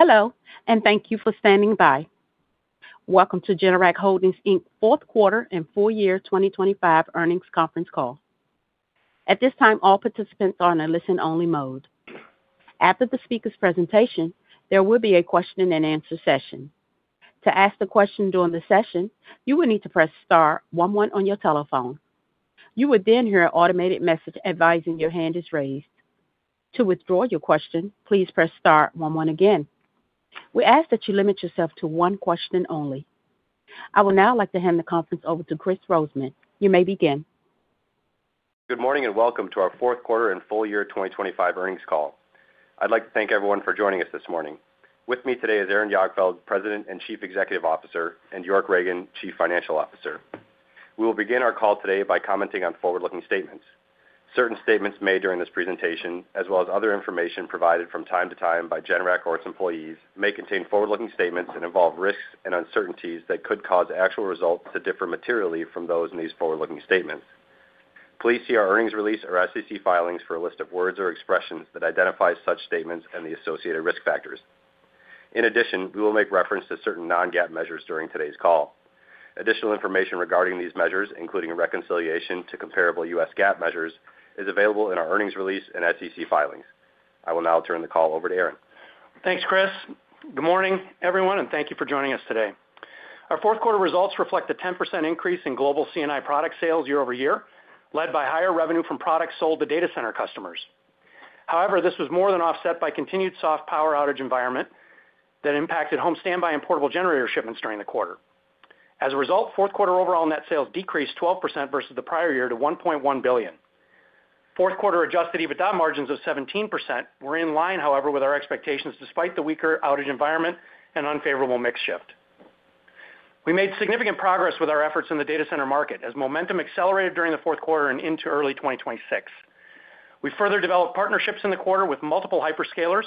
Hello, and thank you for standing by. Welcome to Generac Holdings Inc fourth quarter and full-year 2025 earnings conference call. At this time, all participants are in a listen-only mode. After the speaker's presentation, there will be a question-and-answer session. To ask the question during the session, you will need to press star one one on your telephone. You will then hear an automated message advising your hand is raised. To withdraw your question, please press star one one again. We ask that you limit yourself to one question only. I will now like to hand the conference over to Kris Rosemann. You may begin. Good morning and welcome to our fourth quarter and full-year 2025 earnings call. I'd like to thank everyone for joining us this morning. With me today is Aaron Jagdfeld, President and Chief Executive Officer, and York Ragen, Chief Financial Officer. We will begin our call today by commenting on forward-looking statements. Certain statements made during this presentation, as well as other information provided from time to time by Generac's employees, may contain forward-looking statements and involve risks and uncertainties that could cause actual results to differ materially from those in these forward-looking statements. Please see our earnings release or SEC filings for a list of words or expressions that identify such statements and the associated risk factors. In addition, we will make reference to certain non-GAAP measures during today's call. Additional information regarding these measures, including reconciliation to comparable U.S. GAAP measures, is available in our earnings release and SEC filings. I will now turn the call over to Aaron. Thanks, Kris. Good morning, everyone, and thank you for joining us today. Our fourth quarter results reflect a 10% increase in global C&I product sales year-over-year, led by higher revenue from products sold to data center customers. However, this was more than offset by continued soft power outage environment that impacted home standby and portable generator shipments during the quarter. As a result, fourth quarter overall net sales decreased 12% versus the prior year to $1.1 billion. Fourth quarter Adjusted EBITDA margins of 17% were in line, however, with our expectations despite the weaker outage environment and unfavorable mix shift. We made significant progress with our efforts in the data center market as momentum accelerated during the fourth quarter and into early 2026. We further developed partnerships in the quarter with multiple hyperscalers,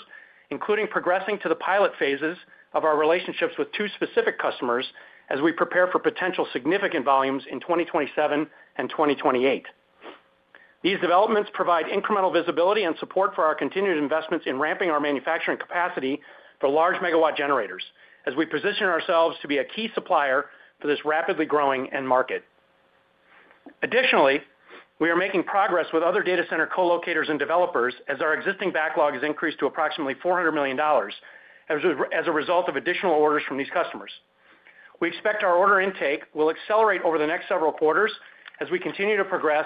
including progressing to the pilot phases of our relationships with two specific customers as we prepare for potential significant volumes in 2027 and 2028. These developments provide incremental visibility and support for our continued investments in ramping our manufacturing capacity for large megawatt generators as we position ourselves to be a key supplier for this rapidly growing market. Additionally, we are making progress with other data center colocators and developers as our existing backlog has increased to approximately $400 million as a result of additional orders from these customers. We expect our order intake will accelerate over the next several quarters as we continue to progress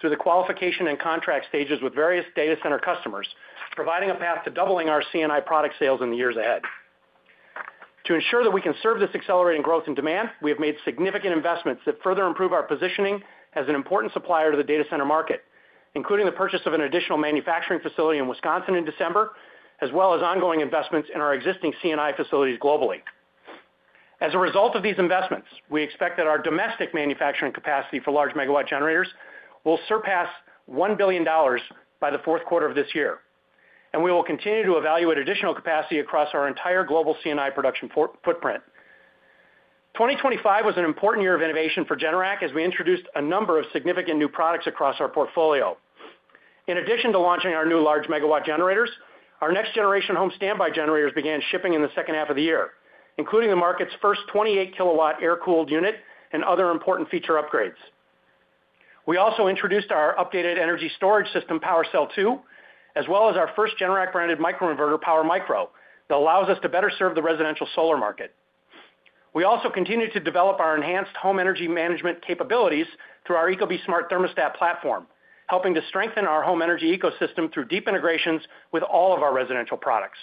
through the qualification and contract stages with various data center customers, providing a path to doubling our C&I product sales in the years ahead. To ensure that we can serve this accelerating growth in demand, we have made significant investments that further improve our positioning as an important supplier to the data center market, including the purchase of an additional manufacturing facility in Wisconsin in December, as well as ongoing investments in our existing C&I facilities globally. As a result of these investments, we expect that our domestic manufacturing capacity for large megawatt generators will surpass $1 billion by the fourth quarter of this year, and we will continue to evaluate additional capacity across our entire global C&I production footprint. 2025 was an important year of innovation for Generac as we introduced a number of significant new products across our portfolio. In addition to launching our new large megawatt generators, our next generation home standby generators began shipping in the second half of the year, including the market's first 28 kW air-cooled unit and other important feature upgrades. We also introduced our updated energy storage system, PWRcell 2, as well as our first Generac branded microinverter, PWRmicro, that allows us to better serve the residential solar market. We also continue to develop our enhanced home energy management capabilities through our ecobee Smart Thermostat platform, helping to strengthen our home energy ecosystem through deep integrations with all of our residential products.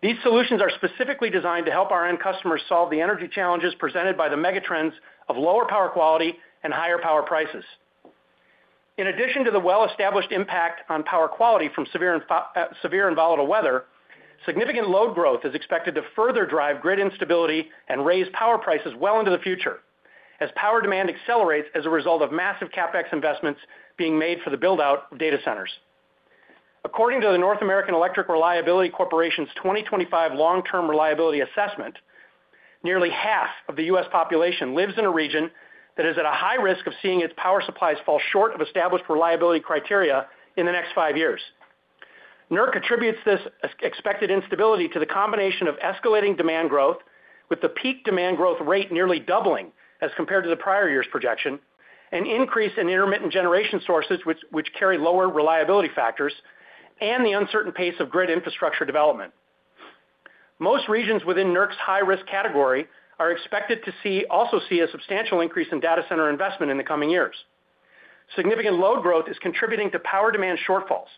These solutions are specifically designed to help our end customers solve the energy challenges presented by the megatrends of lower power quality and higher power prices. In addition to the well-established impact on power quality from severe and volatile weather, significant load growth is expected to further drive grid instability and raise power prices well into the future as power demand accelerates as a result of massive CapEx investments being made for the buildout of data centers. According to the North American Electric Reliability Corporation's 2025 long-term reliability assessment, nearly half of the U.S. population lives in a region that is at a high risk of seeing its power supplies fall short of established reliability criteria in the next five years. NERC attributes this expected instability to the combination of escalating demand growth, with the peak demand growth rate nearly doubling as compared to the prior year's projection, an increase in intermittent generation sources which carry lower reliability factors, and the uncertain pace of grid infrastructure development. Most regions within NERC's high-risk category are expected to also see a substantial increase in data center investment in the coming years. Significant load growth is contributing to power demand shortfalls,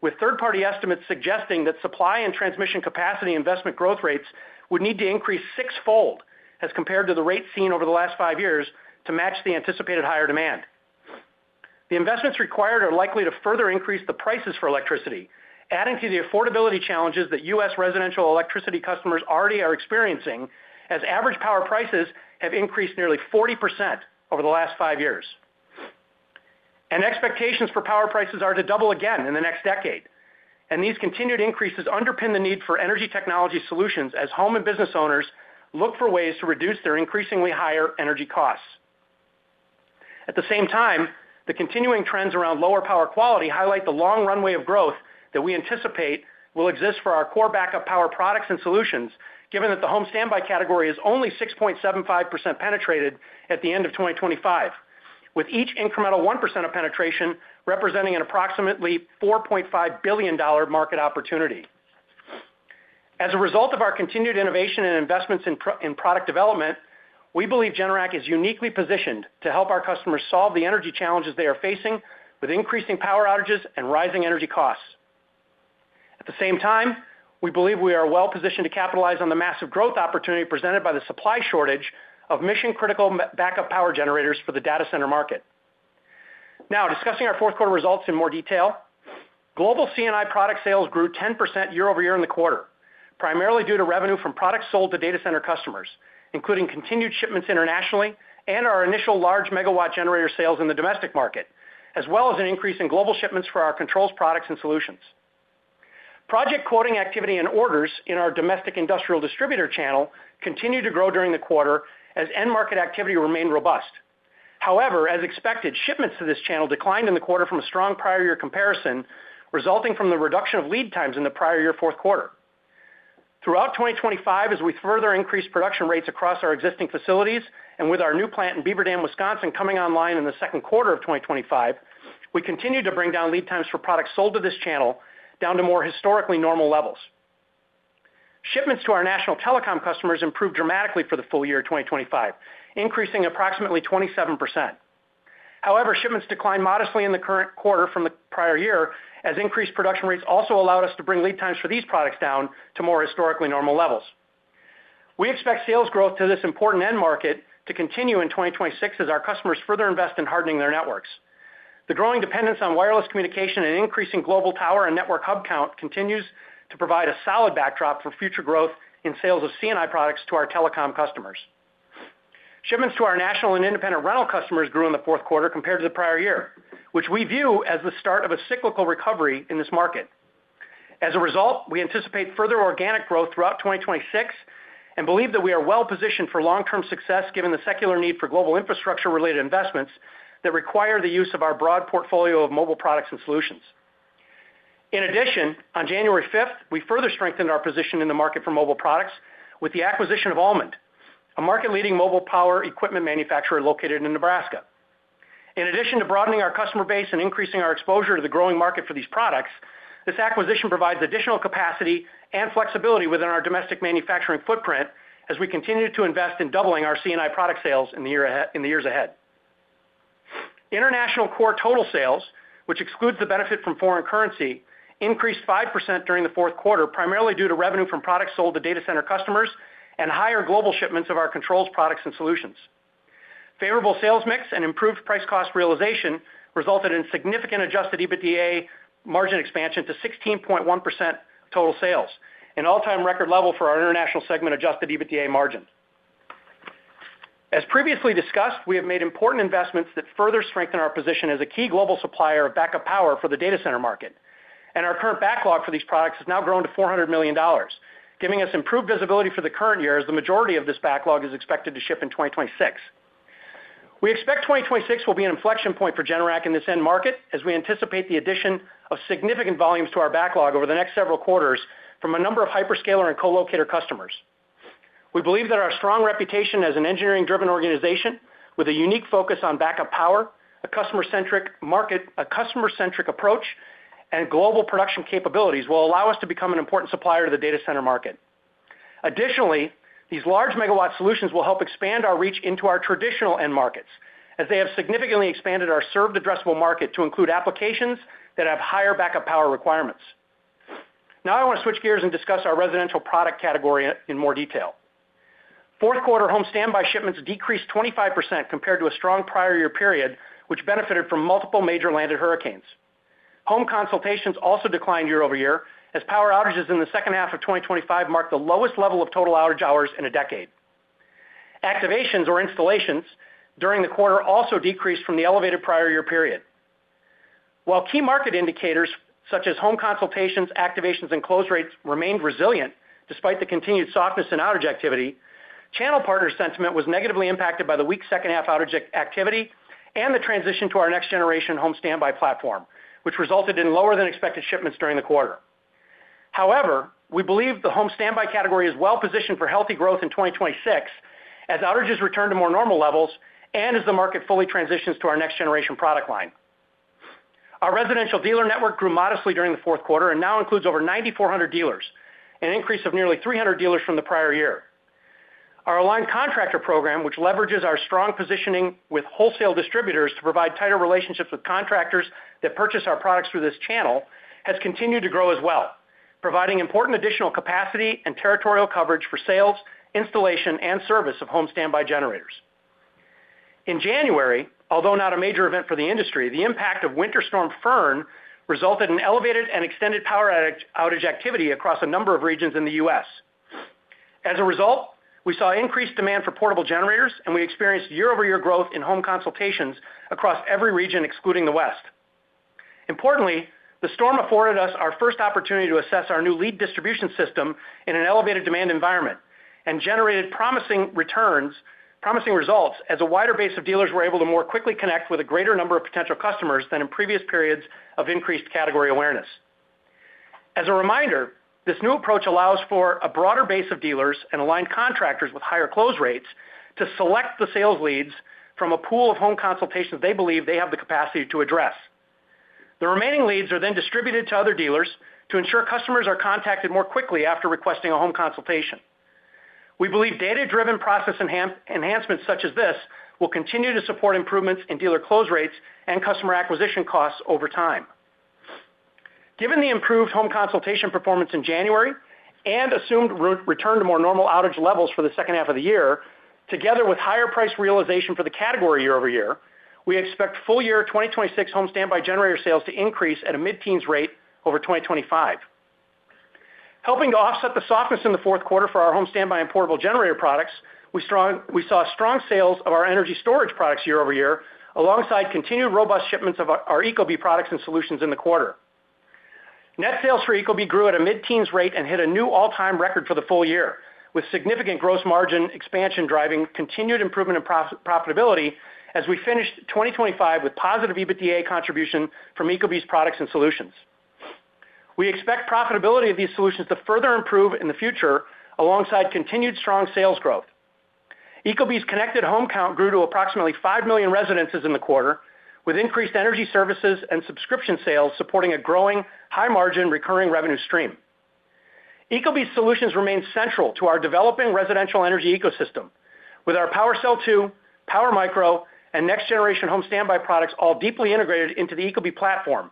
with third-party estimates suggesting that supply and transmission capacity investment growth rates would need to increase sixfold as compared to the rate seen over the last five years to match the anticipated higher demand. The investments required are likely to further increase the prices for electricity, adding to the affordability challenges that U.S. residential electricity customers already are experiencing as average power prices have increased nearly 40% over the last five years. Expectations for power prices are to double again in the next decade, and these continued increases underpin the need for energy technology solutions as home and business owners look for ways to reduce their increasingly higher energy costs. At the same time, the continuing trends around lower power quality highlight the long runway of growth that we anticipate will exist for our core backup power products and solutions, given that the home standby category is only 6.75% penetrated at the end of 2025, with each incremental 1% of penetration representing an approximately $4.5 billion market opportunity. As a result of our continued innovation and investments in product development, we believe Generac is uniquely positioned to help our customers solve the energy challenges they are facing with increasing power outages and rising energy costs. At the same time, we believe we are well positioned to capitalize on the massive growth opportunity presented by the supply shortage of mission-critical backup power generators for the data center market. Now, discussing our fourth quarter results in more detail, global C&I product sales grew 10% year-over-year in the quarter, primarily due to revenue from products sold to data center customers, including continued shipments internationally and our initial large megawatt generator sales in the domestic market, as well as an increase in global shipments for our controls products and solutions. Project quoting activity and orders in our domestic industrial distributor channel continue to grow during the quarter as end-market activity remained robust. However, as expected, shipments to this channel declined in the quarter from a strong prior-year comparison, resulting from the reduction of lead times in the prior year fourth quarter. Throughout 2025, as we further increase production rates across our existing facilities and with our new plant in Beaver Dam, Wisconsin, coming online in the second quarter of 2025, we continue to bring down lead times for products sold to this channel down to more historically normal levels. Shipments to our national telecom customers improved dramatically for the full year of 2025, increasing approximately 27%. However, shipments declined modestly in the current quarter from the prior year, as increased production rates also allowed us to bring lead times for these products down to more historically normal levels. We expect sales growth to this important end market to continue in 2026 as our customers further invest in hardening their networks. The growing dependence on wireless communication and increasing global tower and network hub count continues to provide a solid backdrop for future growth in sales of C&I products to our telecom customers. Shipments to our national and independent rental customers grew in the fourth quarter compared to the prior year, which we view as the start of a cyclical recovery in this market. As a result, we anticipate further organic growth throughout 2026 and believe that we are well positioned for long-term success given the secular need for global infrastructure-related investments that require the use of our broad portfolio of mobile products and solutions. In addition, on January 5th, we further strengthened our position in the market for mobile products with the acquisition of Allmand, a market-leading mobile power equipment manufacturer located in Nebraska. In addition to broadening our customer base and increasing our exposure to the growing market for these products, this acquisition provides additional capacity and flexibility within our domestic manufacturing footprint as we continue to invest in doubling our C&I product sales in the year in the years ahead. International core total sales, which excludes the benefit from foreign currency, increased 5% during the fourth quarter, primarily due to revenue from products sold to data center customers and higher global shipments of our controls products and solutions. Favorable sales mix and improved price-cost realization resulted in significant Adjusted EBITDA margin expansion to 16.1% total sales, an all-time record level for our international segment Adjusted EBITDA margin. As previously discussed, we have made important investments that further strengthen our position as a key global supplier of backup power for the data center market, and our current backlog for these products has now grown to $400 million, giving us improved visibility for the current year as the majority of this backlog is expected to ship in 2026. We expect 2026 will be an inflection point for Generac in this end market, as we anticipate the addition of significant volumes to our backlog over the next several quarters from a number of hyperscaler and collocator customers. We believe that our strong reputation as an engineering-driven organization with a unique focus on backup power, a customer-centric market, a customer-centric approach, and global production capabilities will allow us to become an important supplier to the data center market. Additionally, these large megawatt solutions will help expand our reach into our traditional end markets, as they have significantly expanded our served addressable market to include applications that have higher backup power requirements. Now I want to switch gears and discuss our residential product category in more detail. Fourth quarter home standby shipments decreased 25% compared to a strong prior year period, which benefited from multiple major landed hurricanes. Home consultations also declined year-over-year as power outages in the second half of 2025 marked the lowest level of total outage hours in a decade. Activations or installations during the quarter also decreased from the elevated prior year period. While key market indicators such as home consultations, activations, and close rates remained resilient despite the continued softness in outage activity, channel partner sentiment was negatively impacted by the weak second half outage activity and the transition to our next generation home standby platform, which resulted in lower than expected shipments during the quarter. However, we believe the home standby category is well positioned for healthy growth in 2026 as outages return to more normal levels and as the market fully transitions to our next generation product line. Our residential dealer network grew modestly during the fourth quarter and now includes over 9,400 dealers, an increase of nearly 300 dealers from the prior year. Our aligned contractor program, which leverages our strong positioning with wholesale distributors to provide tighter relationships with contractors that purchase our products through this channel, has continued to grow as well, providing important additional capacity and territorial coverage for sales, installation, and service of home standby generators. In January, although not a major event for the industry, the impact of Winter Storm Fern resulted in elevated and extended power outage activity across a number of regions in the U.S. As a result, we saw increased demand for portable generators, and we experienced year-over-year growth in home consultations across every region, excluding the West. Importantly, the storm afforded us our first opportunity to assess our new lead distribution system in an elevated demand environment and generated promising returns, promising results as a wider base of dealers were able to more quickly connect with a greater number of potential customers than in previous periods of increased category awareness. As a reminder, this new approach allows for a broader base of dealers and aligned contractors with higher close rates to select the sales leads from a pool of home consultations they believe they have the capacity to address. The remaining leads are then distributed to other dealers to ensure customers are contacted more quickly after requesting a home consultation. We believe data-driven process enhancements such as this will continue to support improvements in dealer close rates and customer acquisition costs over time. Given the improved home consultation performance in January and assumed return to more normal outage levels for the second half of the year, together with higher price realization for the category year-over-year, we expect full year 2026 home standby generator sales to increase at a mid-teens rate over 2025. Helping to offset the softness in the fourth quarter for our home standby and portable generator products, we saw strong sales of our energy storage products year-over-year, alongside continued robust shipments of our ecobee products and solutions in the quarter. Net sales for ecobee grew at a mid-teens rate and hit a new all-time record for the full year, with significant gross margin expansion driving continued improvement in profitability as we finished 2025 with positive EBITDA contribution from ecobee's products and solutions. We expect profitability of these solutions to further improve in the future alongside continued strong sales growth. ecobee's connected home count grew to approximately five million residences in the quarter, with increased energy services and subscription sales supporting a growing, high-margin, recurring revenue stream. ecobee's solutions remain central to our developing residential energy ecosystem, with our PWRcell 2, PWRmicro, and next-generation home standby products all deeply integrated into the ecobee platform,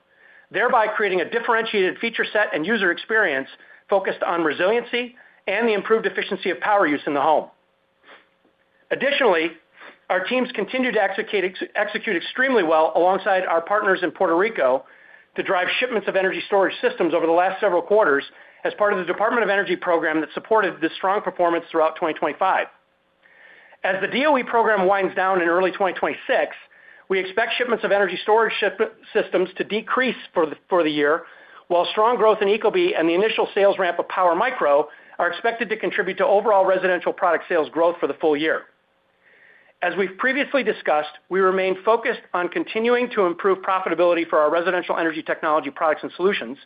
thereby creating a differentiated feature set and user experience focused on resiliency and the improved efficiency of power use in the home. Additionally, our teams continue to execute extremely well alongside our partners in Puerto Rico to drive shipments of energy storage systems over the last several quarters as part of the Department of Energy program that supported this strong performance throughout 2025. As the DOE program winds down in early 2026, we expect shipments of energy storage systems to decrease for the year, while strong growth in ecobee and the initial sales ramp of PWRmicro are expected to contribute to overall residential product sales growth for the full year. As we've previously discussed, we remain focused on continuing to improve profitability for our residential energy technology products and solutions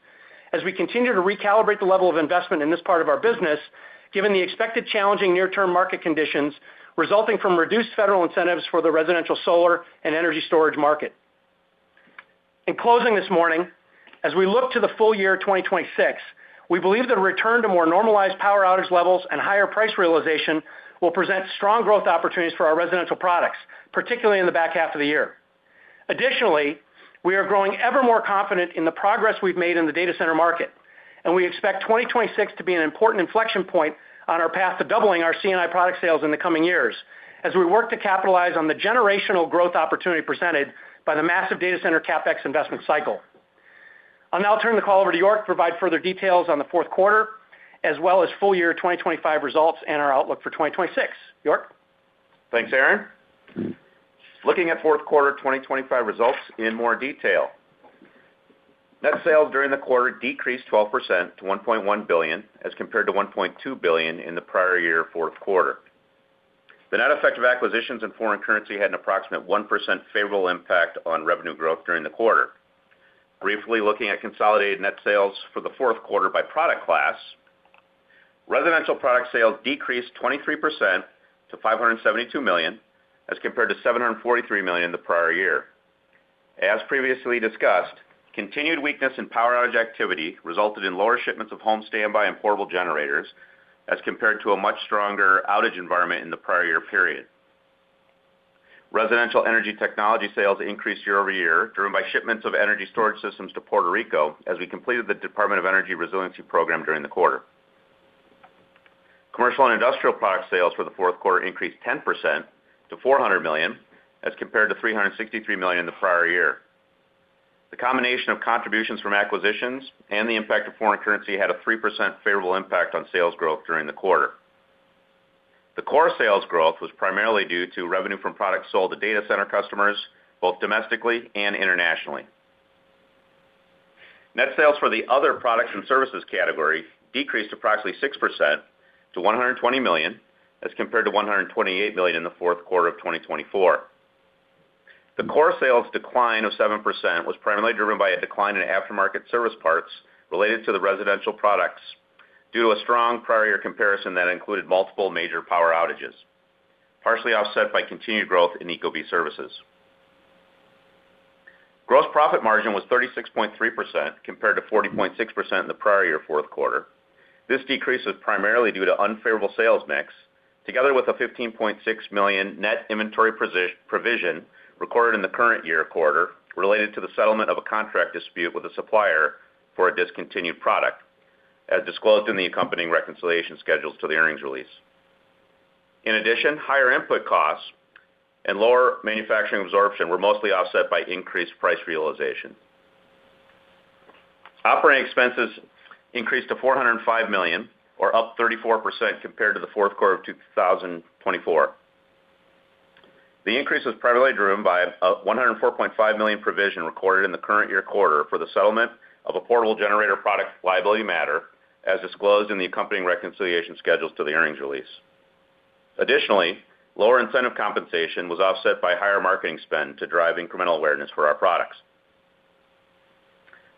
as we continue to recalibrate the level of investment in this part of our business, given the expected challenging near-term market conditions resulting from reduced federal incentives for the residential solar and energy storage market. In closing this morning, as we look to the full year of 2026, we believe that a return to more normalized power outage levels and higher price realization will present strong growth opportunities for our residential products, particularly in the back half of the year. Additionally, we are growing ever more confident in the progress we've made in the data center market, and we expect 2026 to be an important inflection point on our path to doubling our C&I product sales in the coming years as we work to capitalize on the generational growth opportunity presented by the massive data center CapEx investment cycle. I'll now turn the call over to York to provide further details on the fourth quarter, as well as full year 2025 results and our outlook for 2026. York. Thanks, Aaron. Looking at fourth quarter 2025 results in more detail. Net sales during the quarter decreased 12% to $1.1 billion as compared to $1.2 billion in the prior year fourth quarter. The net effect of acquisitions and foreign currency had an approximate 1% favorable impact on revenue growth during the quarter. Briefly looking at consolidated net sales for the fourth quarter by product class, residential product sales decreased 23% to $572 million as compared to $743 million the prior year. As previously discussed, continued weakness in power outage activity resulted in lower shipments of home standby and portable generators as compared to a much stronger outage environment in the prior year period. Residential energy technology sales increased year over year, driven by shipments of energy storage systems to Puerto Rico as we completed the Department of Energy resiliency program during the quarter. Commercial and industrial product sales for the fourth quarter increased 10% to $400 million as compared to $363 million the prior year. The combination of contributions from acquisitions and the impact of foreign currency had a 3% favorable impact on sales growth during the quarter. The core sales growth was primarily due to revenue from products sold to data center customers, both domestically and internationally. Net sales for the other products and services category decreased approximately 6% to $120 million as compared to $128 million in the fourth quarter of 2024. The core sales decline of 7% was primarily driven by a decline in aftermarket service parts related to the residential products due to a strong prior year comparison that included multiple major power outages, partially offset by continued growth in ecobee services. Gross profit margin was 36.3% compared to 40.6% in the prior year fourth quarter. This decrease was primarily due to unfavorable sales mix, together with a $15.6 million net inventory provision recorded in the current year quarter related to the settlement of a contract dispute with a supplier for a discontinued product, as disclosed in the accompanying reconciliation schedules to the earnings release. In addition, higher input costs and lower manufacturing absorption were mostly offset by increased price realization. Operating expenses increased to $405 million, or up 34% compared to the fourth quarter of 2024. The increase was primarily driven by a $104.5 million provision recorded in the current year quarter for the settlement of a portable generator product liability matter, as disclosed in the accompanying reconciliation schedules to the earnings release. Additionally, lower incentive compensation was offset by higher marketing spend to drive incremental awareness for our products.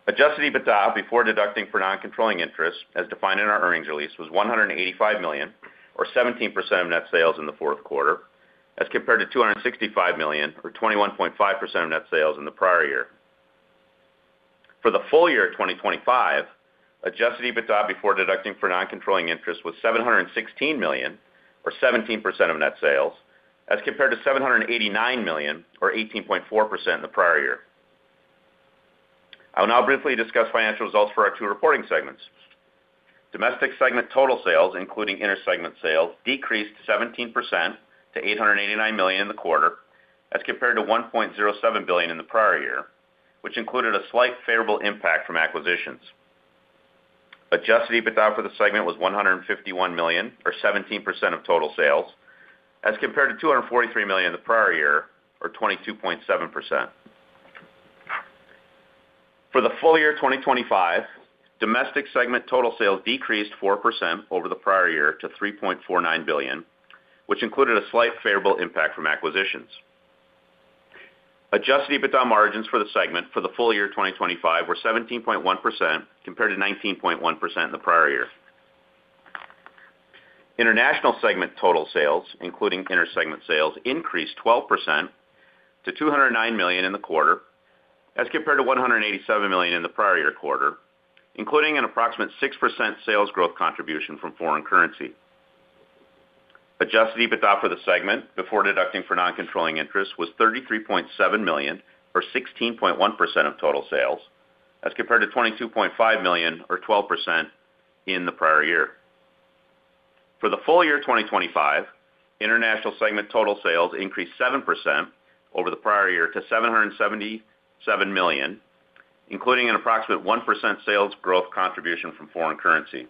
Adjusted EBITDA before deducting for non-controlling interest, as defined in our earnings release, was $185 million, or 17% of net sales in the fourth quarter, as compared to $265 million, or 21.5% of net sales in the prior year. For the full year of 2025, Adjusted EBITDA before deducting for non-controlling interest was $716 million, or 17% of net sales, as compared to $789 million, or 18.4% in the prior year. I will now briefly discuss financial results for our two reporting segments. Domestic segment total sales, including intersegment sales, decreased 17% to $889 million in the quarter, as compared to $1.07 billion in the prior year, which included a slight favorable impact from acquisitions. Adjusted EBITDA for the segment was $151 million, or 17% of total sales, as compared to $243 million in the prior year, or 22.7%. For the full year 2025, domestic segment total sales decreased 4% over the prior year to $3.49 billion, which included a slight favorable impact from acquisitions. Adjusted EBITDA margins for the segment for the full year 2025 were 17.1% compared to 19.1% in the prior year. International segment total sales, including intersegment sales, increased 12% to $209 million in the quarter, as compared to $187 million in the prior year quarter, including an approximate 6% sales growth contribution from foreign currency. Adjusted EBITDA for the segment before deducting for non-controlling interest was $33.7 million, or 16.1% of total sales, as compared to $22.5 million, or 12% in the prior year. For the full year 2025, international segment total sales increased 7% over the prior year to $777 million, including an approximate 1% sales growth contribution from foreign currency.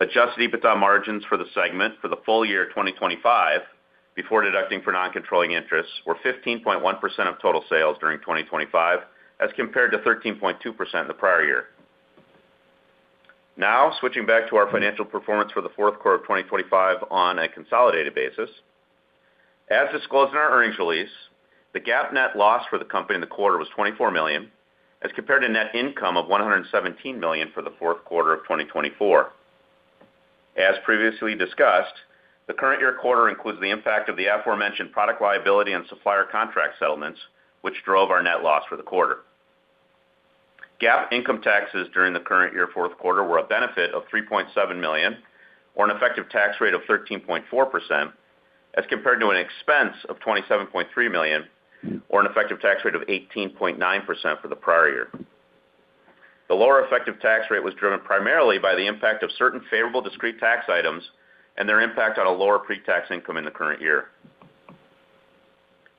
Adjusted EBITDA margins for the segment for the full year 2025 before deducting for non-controlling interest were 15.1% of total sales during 2025, as compared to 13.2% in the prior year. Now, switching back to our financial performance for the fourth quarter of 2025 on a consolidated basis. As disclosed in our earnings release, the GAAP net loss for the company in the quarter was $24 million, as compared to net income of $117 million for the fourth quarter of 2024. As previously discussed, the current year quarter includes the impact of the aforementioned product liability and supplier contract settlements, which drove our net loss for the quarter. GAAP income taxes during the current year fourth quarter were a benefit of $3.7 million, or an effective tax rate of 13.4%, as compared to an expense of $27.3 million, or an effective tax rate of 18.9% for the prior year. The lower effective tax rate was driven primarily by the impact of certain favorable discrete tax items and their impact on a lower pre-tax income in the current year.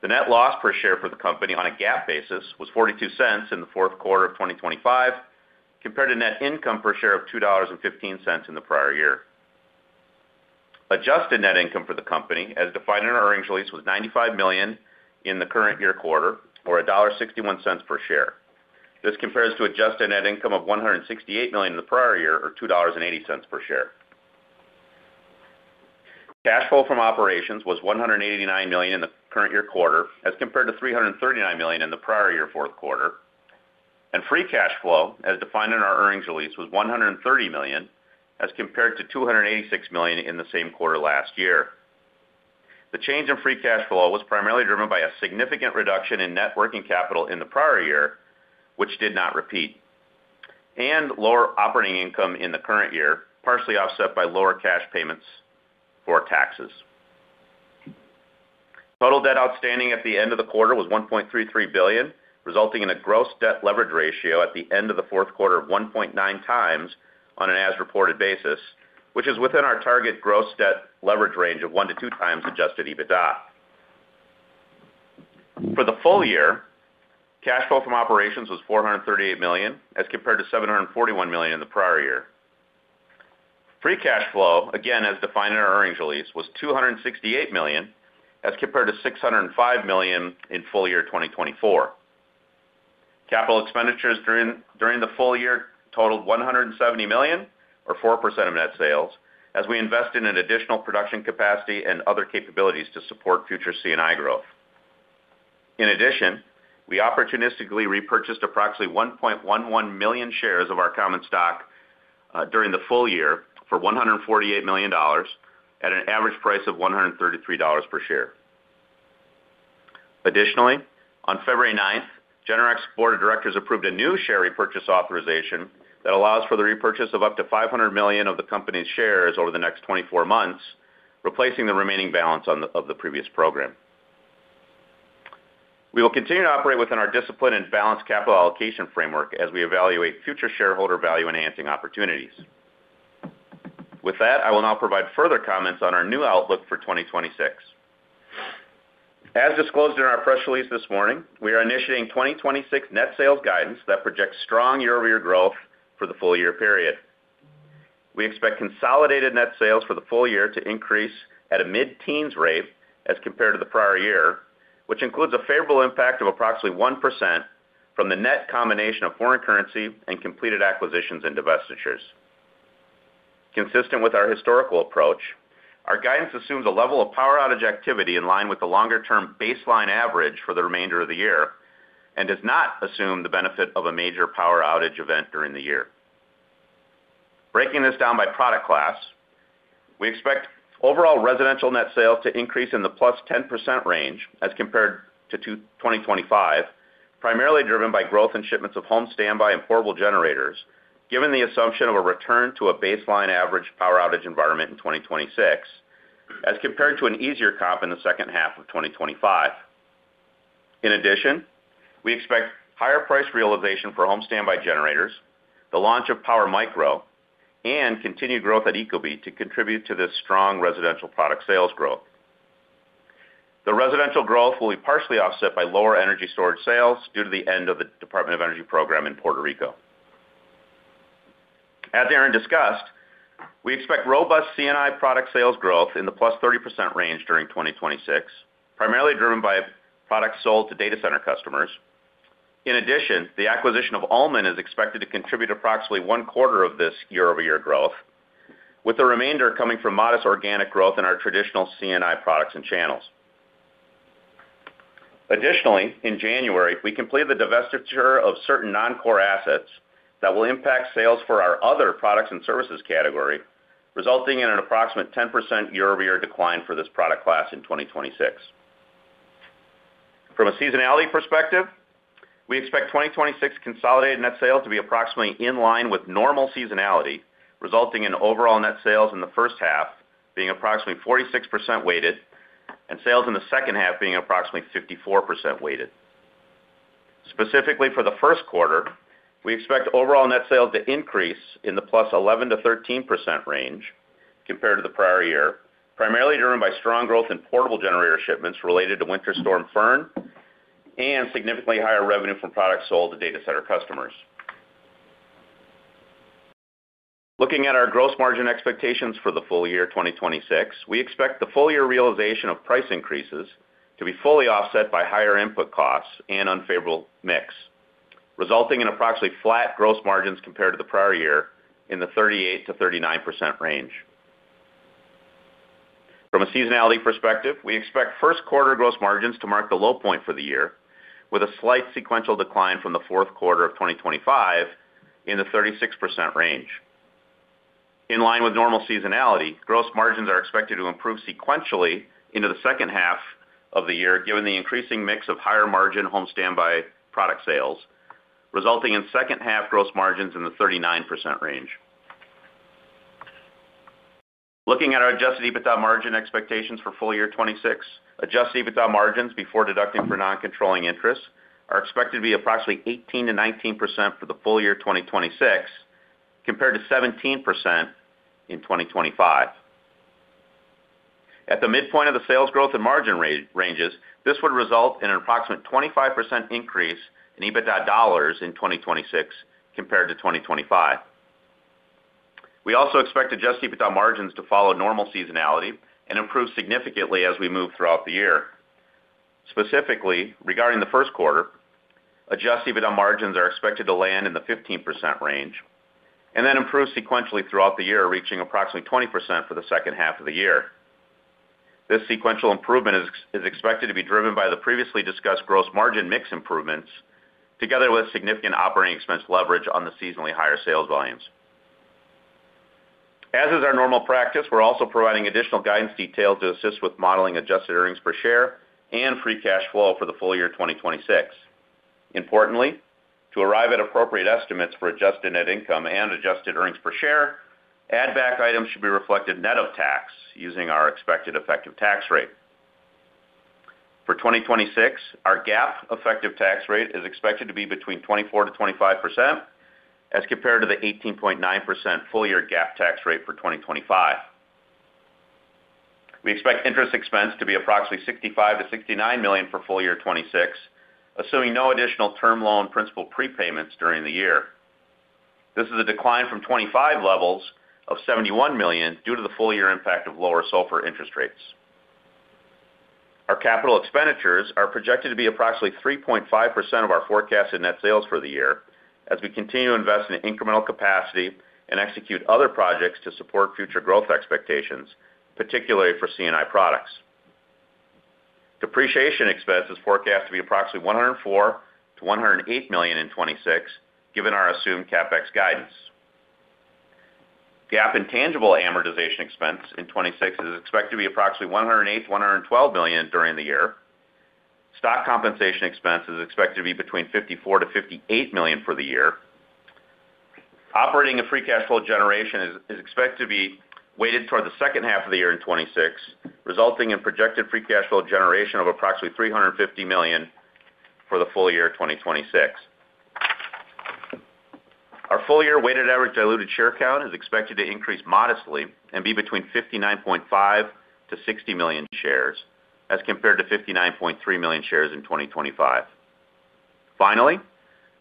The net loss per share for the company on a GAAP basis was $0.0042 in the fourth quarter of 2025, compared to net income per share of $2.15 in the prior year. Adjusted net income for the company, as defined in our earnings release, was $95 million in the current year quarter, or $1.61 per share. This compares to adjusted net income of $168 million in the prior year, or $2.80 per share. Cash flow from operations was $189 million in the current year quarter, as compared to $339 million in the prior year fourth quarter. Free cash flow, as defined in our earnings release, was $130 million, as compared to $286 million in the same quarter last year. The change in free cash flow was primarily driven by a significant reduction in net working capital in the prior year, which did not repeat, and lower operating income in the current year, partially offset by lower cash payments for taxes. Total debt outstanding at the end of the quarter was $1.33 billion, resulting in a gross debt leverage ratio at the end of the fourth quarter of 1.9 times on an as-reported basis, which is within our target gross debt leverage range of one to two times Adjusted EBITDA. For the full year, cash flow from operations was $438 million, as compared to $741 million in the prior year. Free cash flow, again as defined in our earnings release, was $268 million, as compared to $605 million in full year 2024. Capital expenditures during the full year totaled $170 million, or 4% of net sales, as we invested in additional production capacity and other capabilities to support future C&I growth. In addition, we opportunistically repurchased approximately 1.11 million shares of our common stock during the full year for $148 million, at an average price of $133 per share. Additionally, on February 9th, Generac's board of directors approved a new share repurchase authorization that allows for the repurchase of up to 500 million of the company's shares over the next 24 months, replacing the remaining balance of the previous program. We will continue to operate within our discipline and balanced capital allocation framework as we evaluate future shareholder value enhancing opportunities. With that, I will now provide further comments on our new outlook for 2026. As disclosed in our press release this morning, we are initiating 2026 net sales guidance that projects strong year-over-year growth for the full year period. We expect consolidated net sales for the full year to increase at a mid-teens rate as compared to the prior year, which includes a favorable impact of approximately 1% from the net combination of foreign currency and completed acquisitions and divestitures. Consistent with our historical approach, our guidance assumes a level of power outage activity in line with the longer-term baseline average for the remainder of the year and does not assume the benefit of a major power outage event during the year. Breaking this down by product class, we expect overall residential net sales to increase in the +10% range as compared to 2025, primarily driven by growth in shipments of home standby and portable generators, given the assumption of a return to a baseline average power outage environment in 2026, as compared to an easier comp in the second half of 2025. In addition, we expect higher price realization for home standby generators, the launch of PWRmicro, and continued growth at ecobee to contribute to this strong residential product sales growth. The residential growth will be partially offset by lower energy storage sales due to the end of the Department of Energy program in Puerto Rico. As Aaron discussed, we expect robust C&I product sales growth in the +30% range during 2026, primarily driven by products sold to data center customers. In addition, the acquisition of Allmand is expected to contribute approximately one quarter of this year-over-year growth, with the remainder coming from modest organic growth in our traditional C&I products and channels. Additionally, in January, we complete the divestiture of certain non-core assets that will impact sales for our other products and services category, resulting in an approximate 10% year-over-year decline for this product class in 2026. From a seasonality perspective, we expect 2026 consolidated net sales to be approximately in line with normal seasonality, resulting in overall net sales in the first half being approximately 46% weighted and sales in the second half being approximately 54% weighted. Specifically for the first quarter, we expect overall net sales to increase in the +11%-13% range compared to the prior year, primarily driven by strong growth in portable generator shipments related to Winter Storm Fern and significantly higher revenue from products sold to data center customers. Looking at our gross margin expectations for the full year 2026, we expect the full year realization of price increases to be fully offset by higher input costs and unfavorable mix, resulting in approximately flat gross margins compared to the prior year in the 38%-39% range. From a seasonality perspective, we expect first quarter gross margins to mark the low point for the year, with a slight sequential decline from the fourth quarter of 2025 in the 36% range. In line with normal seasonality, gross margins are expected to improve sequentially into the second half of the year, given the increasing mix of higher margin home standby product sales, resulting in second half gross margins in the 39% range. Looking at our Adjusted EBITDA margin expectations for full year 2026, Adjusted EBITDA margins before deducting for non-controlling interest are expected to be approximately 18%-19% for the full year 2026, compared to 17% in 2025. At the midpoint of the sales growth and margin ranges, this would result in an approximate 25% increase in EBITDA dollars in 2026 compared to 2025. We also expect Adjusted EBITDA margins to follow normal seasonality and improve significantly as we move throughout the year. Specifically, regarding the first quarter, Adjusted EBITDA margins are expected to land in the 15% range and then improve sequentially throughout the year, reaching approximately 20% for the second half of the year. This sequential improvement is expected to be driven by the previously discussed gross margin mix improvements, together with significant operating expense leverage on the seasonally higher sales volumes. As is our normal practice, we're also providing additional guidance details to assist with modeling adjusted earnings per share and free cash flow for the full year 2026. Importantly, to arrive at appropriate estimates for adjusted net income and adjusted earnings per share, add-back items should be reflected net of tax using our expected effective tax rate. For 2026, our GAAP effective tax rate is expected to be between 24%-25% as compared to the 18.9% full year GAAP tax rate for 2025. We expect interest expense to be approximately $65 million-$69 million for full year 2026, assuming no additional term loan principal prepayments during the year. This is a decline from 2025 levels of $71 million due to the full year impact of lower overall interest rates. Our capital expenditures are projected to be approximately 3.5% of our forecasted net sales for the year, as we continue to invest in incremental capacity and execute other projects to support future growth expectations, particularly for C&I products. Depreciation expense is forecast to be approximately $104 million-$108 million in 2026, given our assumed CapEx guidance. GAAP intangible amortization expense in 2026 is expected to be approximately $108 million-$112 million during the year. Stock compensation expense is expected to be between $54 million-$58 million for the year. Operating and free cash flow generation is expected to be weighted toward the second half of the year in 2026, resulting in projected free cash flow generation of approximately $350 million for the full year 2026. Our full year weighted average diluted share count is expected to increase modestly and be between 59.5-60 million shares as compared to 59.3 million shares in 2025. Finally,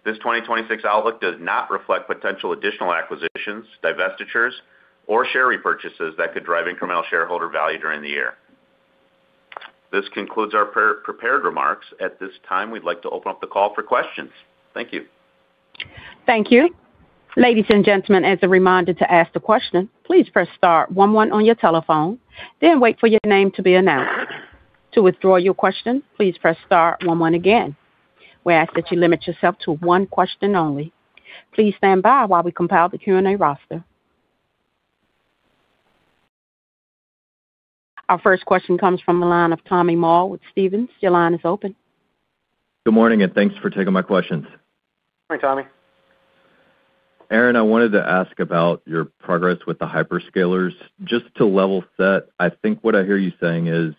this 2026 outlook does not reflect potential additional acquisitions, divestitures, or share repurchases that could drive incremental shareholder value during the year. This concludes our prepared remarks. At this time, we'd like to open up the call for questions. Thank you. Thank you. Ladies and gentlemen, as a reminder to ask a question, please press star one one on your telephone, then wait for your name to be announced. To withdraw your question, please press star one one again. We ask that you limit yourself to one question only. Please stand by while we compile the Q&A roster. Our first question comes from the line of Tommy Moll with Stephens. Your line is open. Good morning, and thanks for taking my questions. Morning, Tommy. Aaron, I wanted to ask about your progress with the hyperscalers. Just to level set, I think what I hear you saying is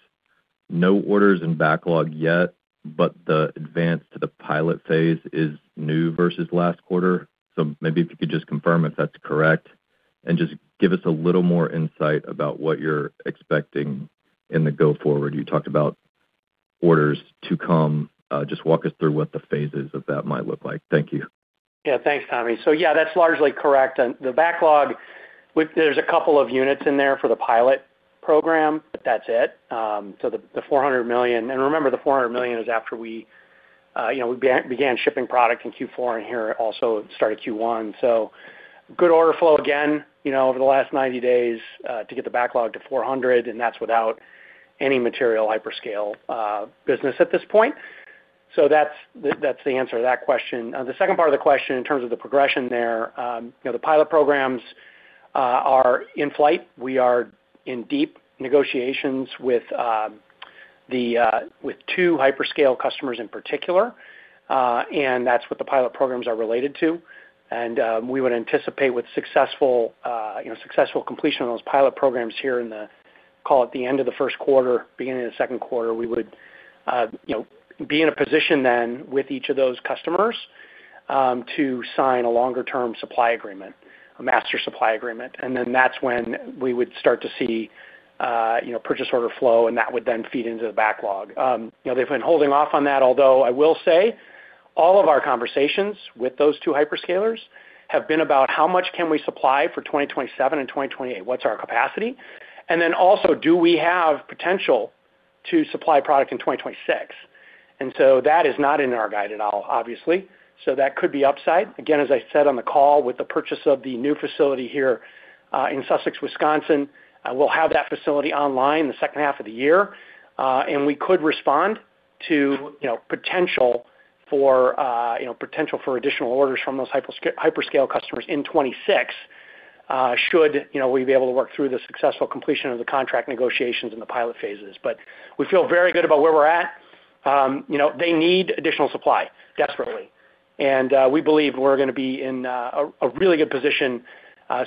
no orders and backlog yet, but the advance to the pilot phase is new versus last quarter. So maybe if you could just confirm if that's correct and just give us a little more insight about what you're expecting in the go-forward. You talked about orders to come. Just walk us through what the phases of that might look like. Thank you. Yeah, thanks, Tommy. So yeah, that's largely correct. The backlog, there's a couple of units in there for the pilot program, but that's it. So the $400 million and remember, the $400 million is after we began shipping product in Q4 and here also started Q1. So good order flow again over the last 90 days to get the backlog to $400 million, and that's without any material hyperscale business at this point. So that's the answer to that question. The second part of the question, in terms of the progression there, the pilot programs are in flight. We are in deep negotiations with two hyperscale customers in particular, and that's what the pilot programs are related to. We would anticipate with successful completion of those pilot programs here in the call at the end of the first quarter, beginning of the second quarter, we would be in a position then with each of those customers to sign a longer-term supply agreement, a master supply agreement. And then that's when we would start to see purchase order flow, and that would then feed into the backlog. They've been holding off on that, although I will say all of our conversations with those two hyperscalers have been about how much can we supply for 2027 and 2028? What's our capacity? And then also, do we have potential to supply product in 2026? And so that is not in our guide at all, obviously. That could be upside. Again, as I said on the call with the purchase of the new facility here in Sussex, Wisconsin, we'll have that facility online the second half of the year. And we could respond to potential for additional orders from those hyperscale customers in 2026 should we be able to work through the successful completion of the contract negotiations in the pilot phases. But we feel very good about where we're at. They need additional supply, desperately. And we believe we're going to be in a really good position,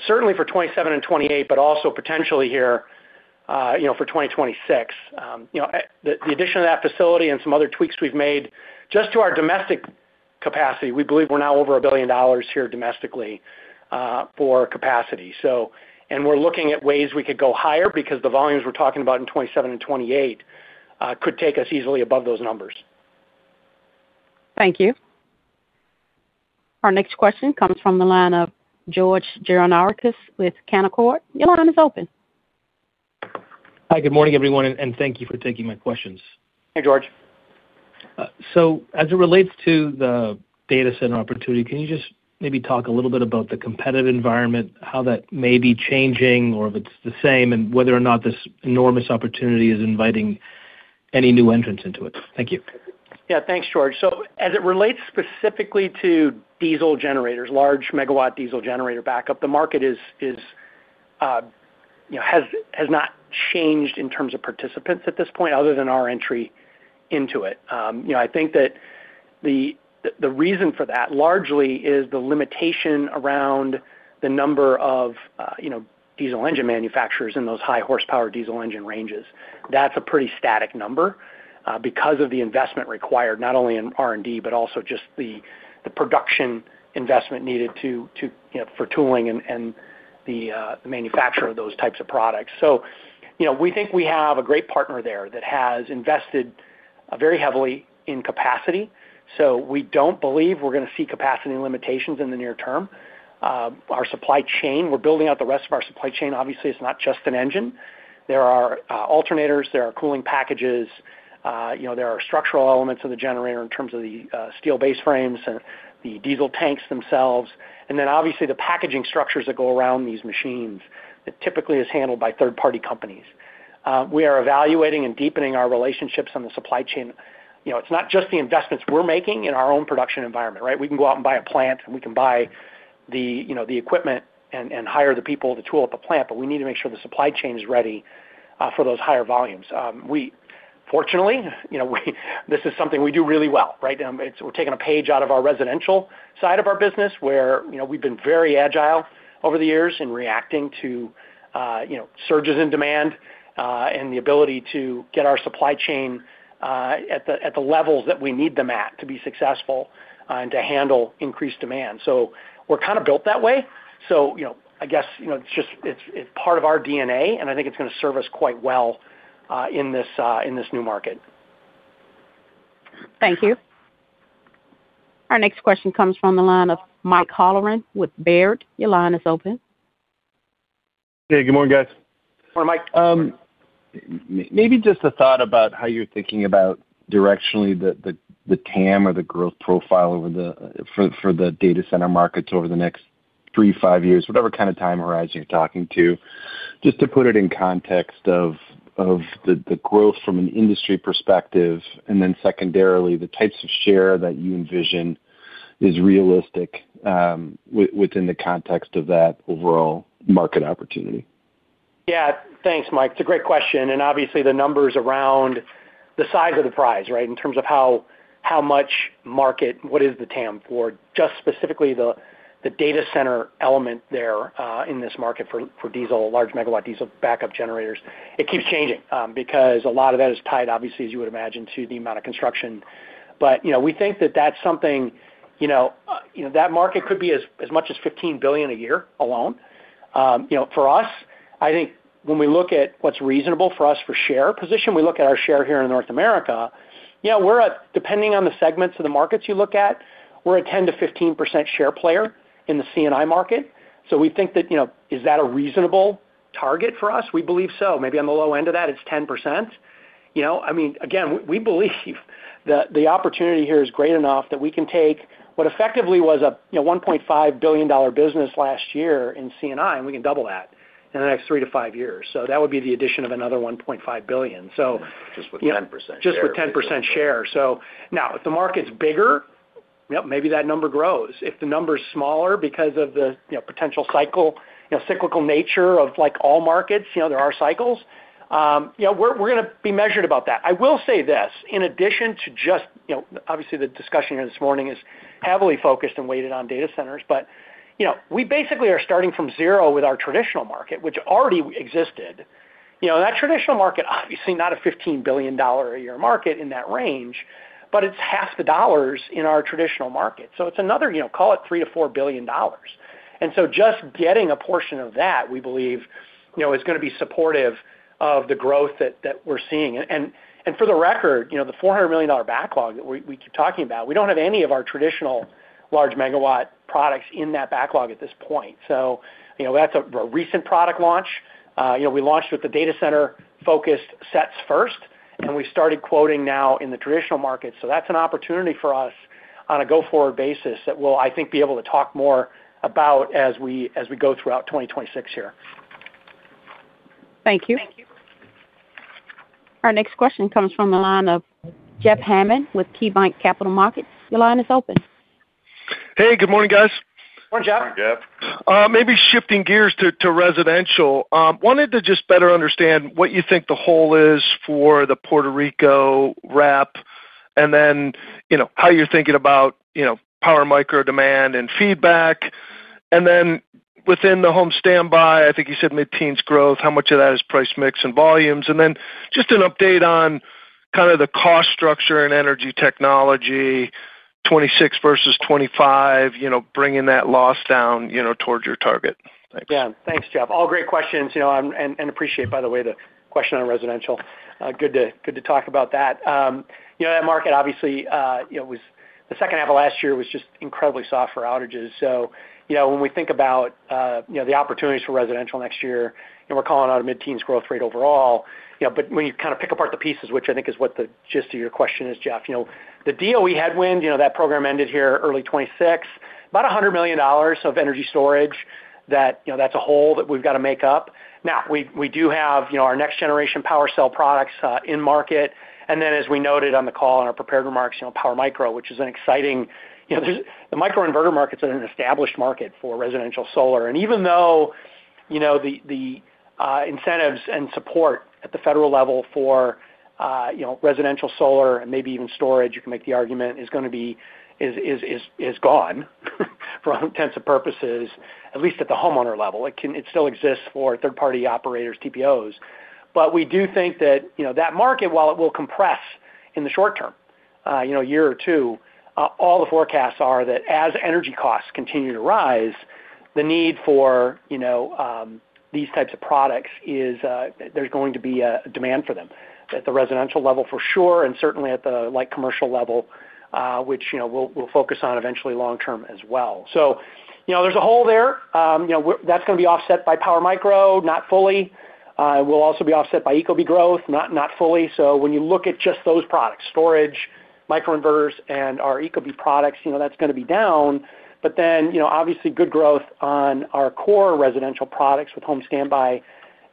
certainly for 2027 and 2028, but also potentially here for 2026. The addition of that facility and some other tweaks we've made just to our domestic capacity, we believe we're now over $1 billion here domestically for capacity. We're looking at ways we could go higher because the volumes we're talking about in 2027 and 2028 could take us easily above those numbers. Thank you. Our next question comes from the line of George Gianarikas with Canaccord. Your line is open. Hi. Good morning, everyone, and thank you for taking my questions. Hey, George. As it relates to the data center opportunity, can you just maybe talk a little bit about the competitive environment, how that may be changing, or if it's the same, and whether or not this enormous opportunity is inviting any new entrants into it? Thank you. Yeah, thanks, George. So as it relates specifically to diesel generators, large megawatt diesel generator backup, the market has not changed in terms of participants at this point other than our entry into it. I think that the reason for that largely is the limitation around the number of diesel engine manufacturers in those high-horsepower diesel engine ranges. That's a pretty static number because of the investment required, not only in R&D, but also just the production investment needed for tooling and the manufacture of those types of products. So we think we have a great partner there that has invested very heavily in capacity. So we don't believe we're going to see capacity limitations in the near term. Our supply chain, we're building out the rest of our supply chain. Obviously, it's not just an engine. There are alternators. There are cooling packages. There are structural elements of the generator in terms of the steel base frames and the diesel tanks themselves. Then, obviously, the packaging structures that go around these machines that typically are handled by third-party companies. We are evaluating and deepening our relationships on the supply chain. It's not just the investments we're making in our own production environment, right? We can go out and buy a plant, and we can buy the equipment and hire the people to tool up a plant, but we need to make sure the supply chain is ready for those higher volumes. Fortunately, this is something we do really well, right? We're taking a page out of our residential side of our business where we've been very agile over the years in reacting to surges in demand and the ability to get our supply chain at the levels that we need them at to be successful and to handle increased demand. We're kind of built that way. I guess it's part of our DNA, and I think it's going to serve us quite well in this new market. Thank you. Our next question comes from the line of Mike Halloran with Baird. Your line is open. Hey. Good morning, guys. Morning, Mike. Maybe just a thought about how you're thinking about directionally the TAM or the growth profile for the data center markets over the next three-five years, whatever kind of time horizon you're talking to, just to put it in context of the growth from an industry perspective, and then secondarily, the types of share that you envision is realistic within the context of that overall market opportunity. Yeah. Thanks, Mike. It's a great question. And obviously, the numbers around the size of the prize, right, in terms of how much market what is the TAM for? Just specifically, the data center element there in this market for large megawatt diesel backup generators, it keeps changing because a lot of that is tied, obviously, as you would imagine, to the amount of construction. But we think that that's something that market could be as much as $15 billion a year alone. For us, I think when we look at what's reasonable for us for share position, we look at our share here in North America. Depending on the segments of the markets you look at, we're a 10%-15% share player in the C&I market. So we think that is that a reasonable target for us? We believe so. Maybe on the low end of that, it's 10%. I mean, again, we believe that the opportunity here is great enough that we can take what effectively was a $1.5 billion business last year in C&I, and we can double that in the next three to five years. So that would be the addition of another $1.5 billion. Just with 10% share. Just with 10% share. So now, if the market's bigger, yep, maybe that number grows. If the number's smaller because of the potential cyclical nature of all markets, there are cycles, we're going to be measured about that. I will say this. In addition to just obviously, the discussion here this morning is heavily focused and weighted on data centers, but we basically are starting from zero with our traditional market, which already existed. That traditional market, obviously, not a $15 billion a year market in that range, but it's half the dollars in our traditional market. So it's another call it $3 billion-$4 billion. And so just getting a portion of that, we believe, is going to be supportive of the growth that we're seeing. For the record, the $400 million backlog that we keep talking about, we don't have any of our traditional large megawatt products in that backlog at this point. That's a recent product launch. We launched with the data center-focused sets first, and we started quoting now in the traditional market. That's an opportunity for us on a go-forward basis that we'll, I think, be able to talk more about as we go throughout 2026 here. Thank you. Our next question comes from the line of Jeff Hammond with KeyBanc Capital Markets. Your line is open. Hey. Good morning, guys. Morning, Jeff. Morning, Jeff. Maybe shifting gears to residential. Wanted to just better understand what you think the hole is for the Puerto Rico RAP and then how you're thinking about PWRmicro demand and feedback. And then within the home standby, I think you said mid-teens growth. How much of that is price mix and volumes? And then just an update on kind of the cost structure and energy technology, 2026 versus 2025, bringing that loss down towards your target. Thanks. Yeah. Thanks, Jeff. All great questions. And appreciate, by the way, the question on residential. Good to talk about that. That market, obviously, the second half of last year was just incredibly soft for outages. So when we think about the opportunities for residential next year, we're calling out a mid-teens growth rate overall. But when you kind of pick apart the pieces, which I think is what the gist of your question is, Jeff, the DOE headwind, that program ended here early 2026, about $100 million of energy storage, that's a hole that we've got to make up. Now, we do have our next-generation PWRcell products in market. And then, as we noted on the call in our prepared remarks, PWRmicro, which is an exciting the microinverter markets are an established market for residential solar. And even though the incentives and support at the federal level for residential solar and maybe even storage, you can make the argument, is going to be gone for all intents and purposes, at least at the homeowner level, it still exists for third-party operators, TPOs. But we do think that that market, while it will compress in the short term, year or two, all the forecasts are that as energy costs continue to rise, the need for these types of products, there's going to be a demand for them at the residential level for sure and certainly at the commercial level, which we'll focus on eventually long-term as well. So there's a hole there. That's going to be offset by PWRmicro, not fully. It will also be offset by ecobee growth, not fully. So when you look at just those products, storage, microinverters, and our ecobee products, that's going to be down. But then, obviously, good growth on our core residential products with home standby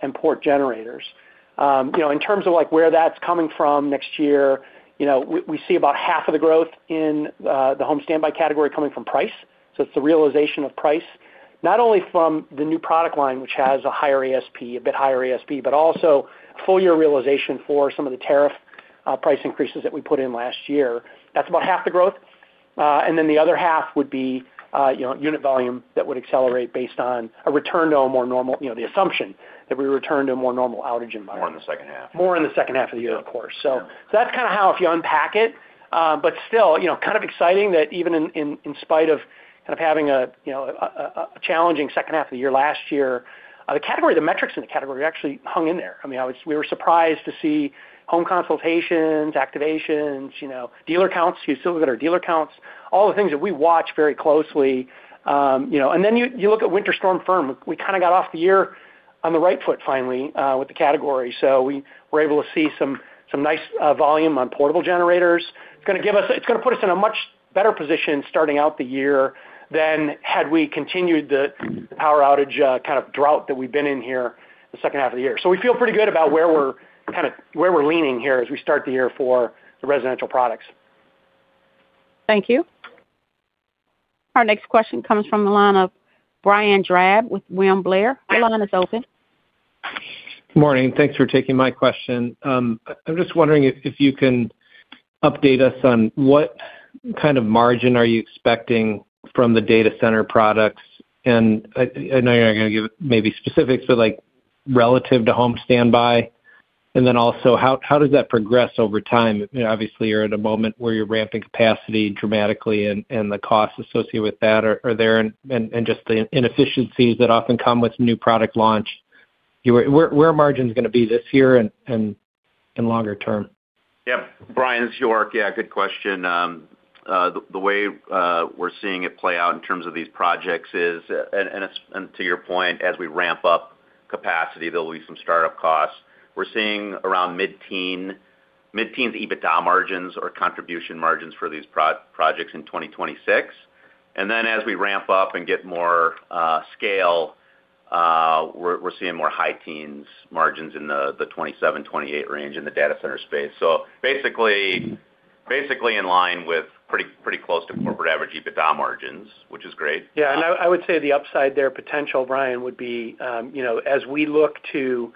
and portable generators. In terms of where that's coming from next year, we see about half of the growth in the home standby category coming from price. So it's the realization of price, not only from the new product line, which has a higher ASP, a bit higher ASP, but also full-year realization for some of the tariff price increases that we put in last year. That's about half the growth. And then the other half would be unit volume that would accelerate based on a return to a more normal the assumption that we return to a more normal outage environment. More in the second half. More in the second half of the year, of course. So that's kind of how if you unpack it. But still, kind of exciting that even in spite of kind of having a challenging second half of the year last year, the metrics in the category actually hung in there. I mean, we were surprised to see home consultations, activations, dealer counts. You still look at our dealer counts, all the things that we watch very closely. And then you look at Winter Storm Uri. We kind of got off the year on the right foot, finally, with the category. So we were able to see some nice volume on portable generators. It's going to put us in a much better position starting out the year than had we continued the power outage kind of drought that we've been in here the second half of the year. So we feel pretty good about where we're kind of leaning here as we start the year for the residential products. Thank you. Our next question comes from the line of Brian Drab with William Blair. Your line is open. Good morning. Thanks for taking my question. I'm just wondering if you can update us on what kind of margin are you expecting from the data center products? I know you're not going to give maybe specifics, but relative to home standby, and then also, how does that progress over time? Obviously, you're at a moment where you're ramping capacity dramatically, and the costs associated with that are there. Just the inefficiencies that often come with new product launch, where are margins going to be this year and longer term? Yep. Brian, York. Yeah. Good question. The way we're seeing it play out in terms of these projects is, and to your point, as we ramp up capacity, there'll be some startup costs. We're seeing around mid-teens EBITDA margins or contribution margins for these projects in 2026. And then as we ramp up and get more scale, we're seeing more high-teens margins in the 27-28 range in the data center space. So basically, in line with pretty close to corporate average EBITDA margins, which is great. Yeah. I would say the upside there, potential, Brian, would be as we look to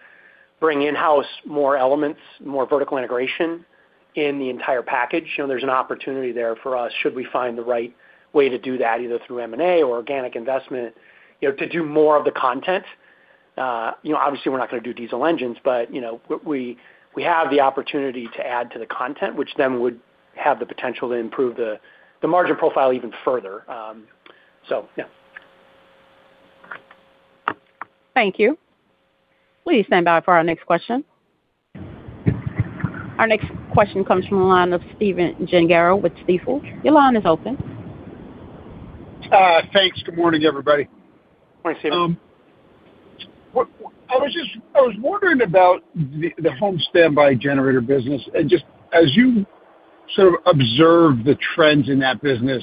bring in-house more elements, more vertical integration in the entire package, there's an opportunity there for us, should we find the right way to do that, either through M&A or organic investment, to do more of the content. Obviously, we're not going to do diesel engines, but we have the opportunity to add to the content, which then would have the potential to improve the margin profile even further. So yeah. Thank you. Please stand by for our next question. Our next question comes from the line of Stephen Gengaro with Stifel. Your line is open. Thanks. Good morning, everybody. Morning, Stephen. I was wondering about the home standby Generator business. And just as you sort of observe the trends in that business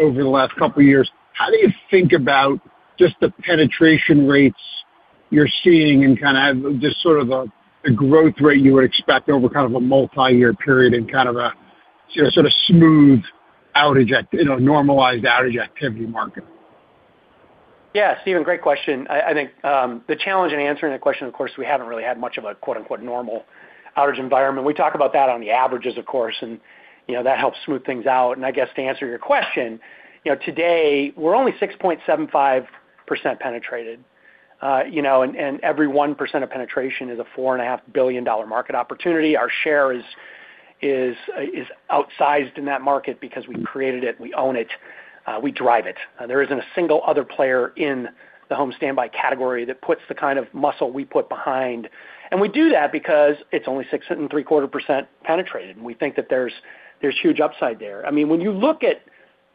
over the last couple of years, how do you think about just the penetration rates you're seeing and kind of just sort of the growth rate you would expect over kind of a multi-year period in kind of a sort of smooth outage normalized outage activity market? Yeah. Stephen, great question. I think the challenge in answering that question, of course, we haven't really had much of a "normal" outage environment. We talk about that on the averages, of course, and that helps smooth things out. And I guess to answer your question, today, we're only 6.75% penetrated. And every 1% of penetration is a $4.5 billion market opportunity. Our share is outsized in that market because we created it. We own it. We drive it. There isn't a single other player in the home standby category that puts the kind of muscle we put behind. And we do that because it's only 6.75% penetrated, and we think that there's huge upside there. I mean, when you look at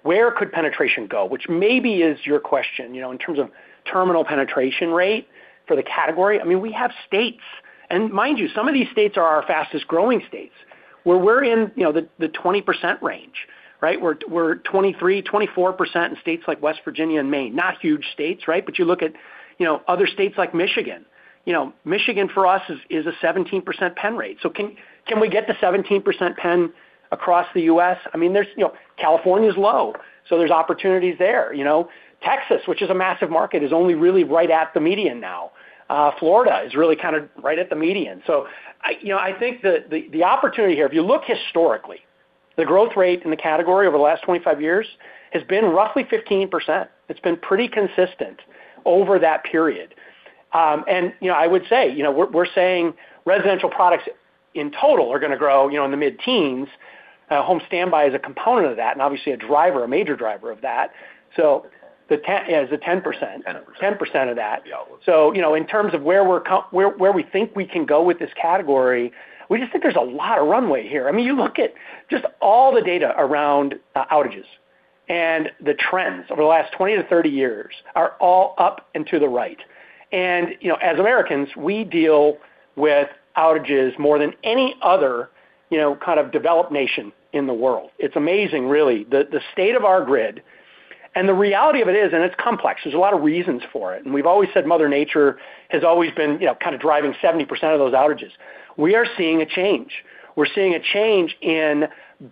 where could penetration go, which maybe is your question, in terms of terminal penetration rate for the category, I mean, we have states. And mind you, some of these states are our fastest-growing states. We're in the 20% range, right? We're 23%-24% in states like West Virginia and Maine. Not huge states, right? But you look at other states like Michigan. Michigan, for us, is a 17% pen rate. So can we get to 17% pen across the U.S.? I mean, California's low, so there's opportunities there. Texas, which is a massive market, is only really right at the median now. Florida is really kind of right at the median. So I think the opportunity here, if you look historically, the growth rate in the category over the last 25 years has been roughly 15%. It's been pretty consistent over that period. And I would say we're saying residential products in total are going to grow in the mid-teens. home standby is a component of that and obviously a driver, a major driver of that. So it's the 10%. 10%. 10% of that. So in terms of where we think we can go with this category, we just think there's a lot of runway here. I mean, you look at just all the data around outages, and the trends over the last 20-30 years are all up and to the right. And as Americans, we deal with outages more than any other kind of developed nation in the world. It's amazing, really, the state of our grid. And the reality of it is, and it's complex, there's a lot of reasons for it. And we've always said Mother Nature has always been kind of driving 70% of those outages. We are seeing a change. We're seeing a change in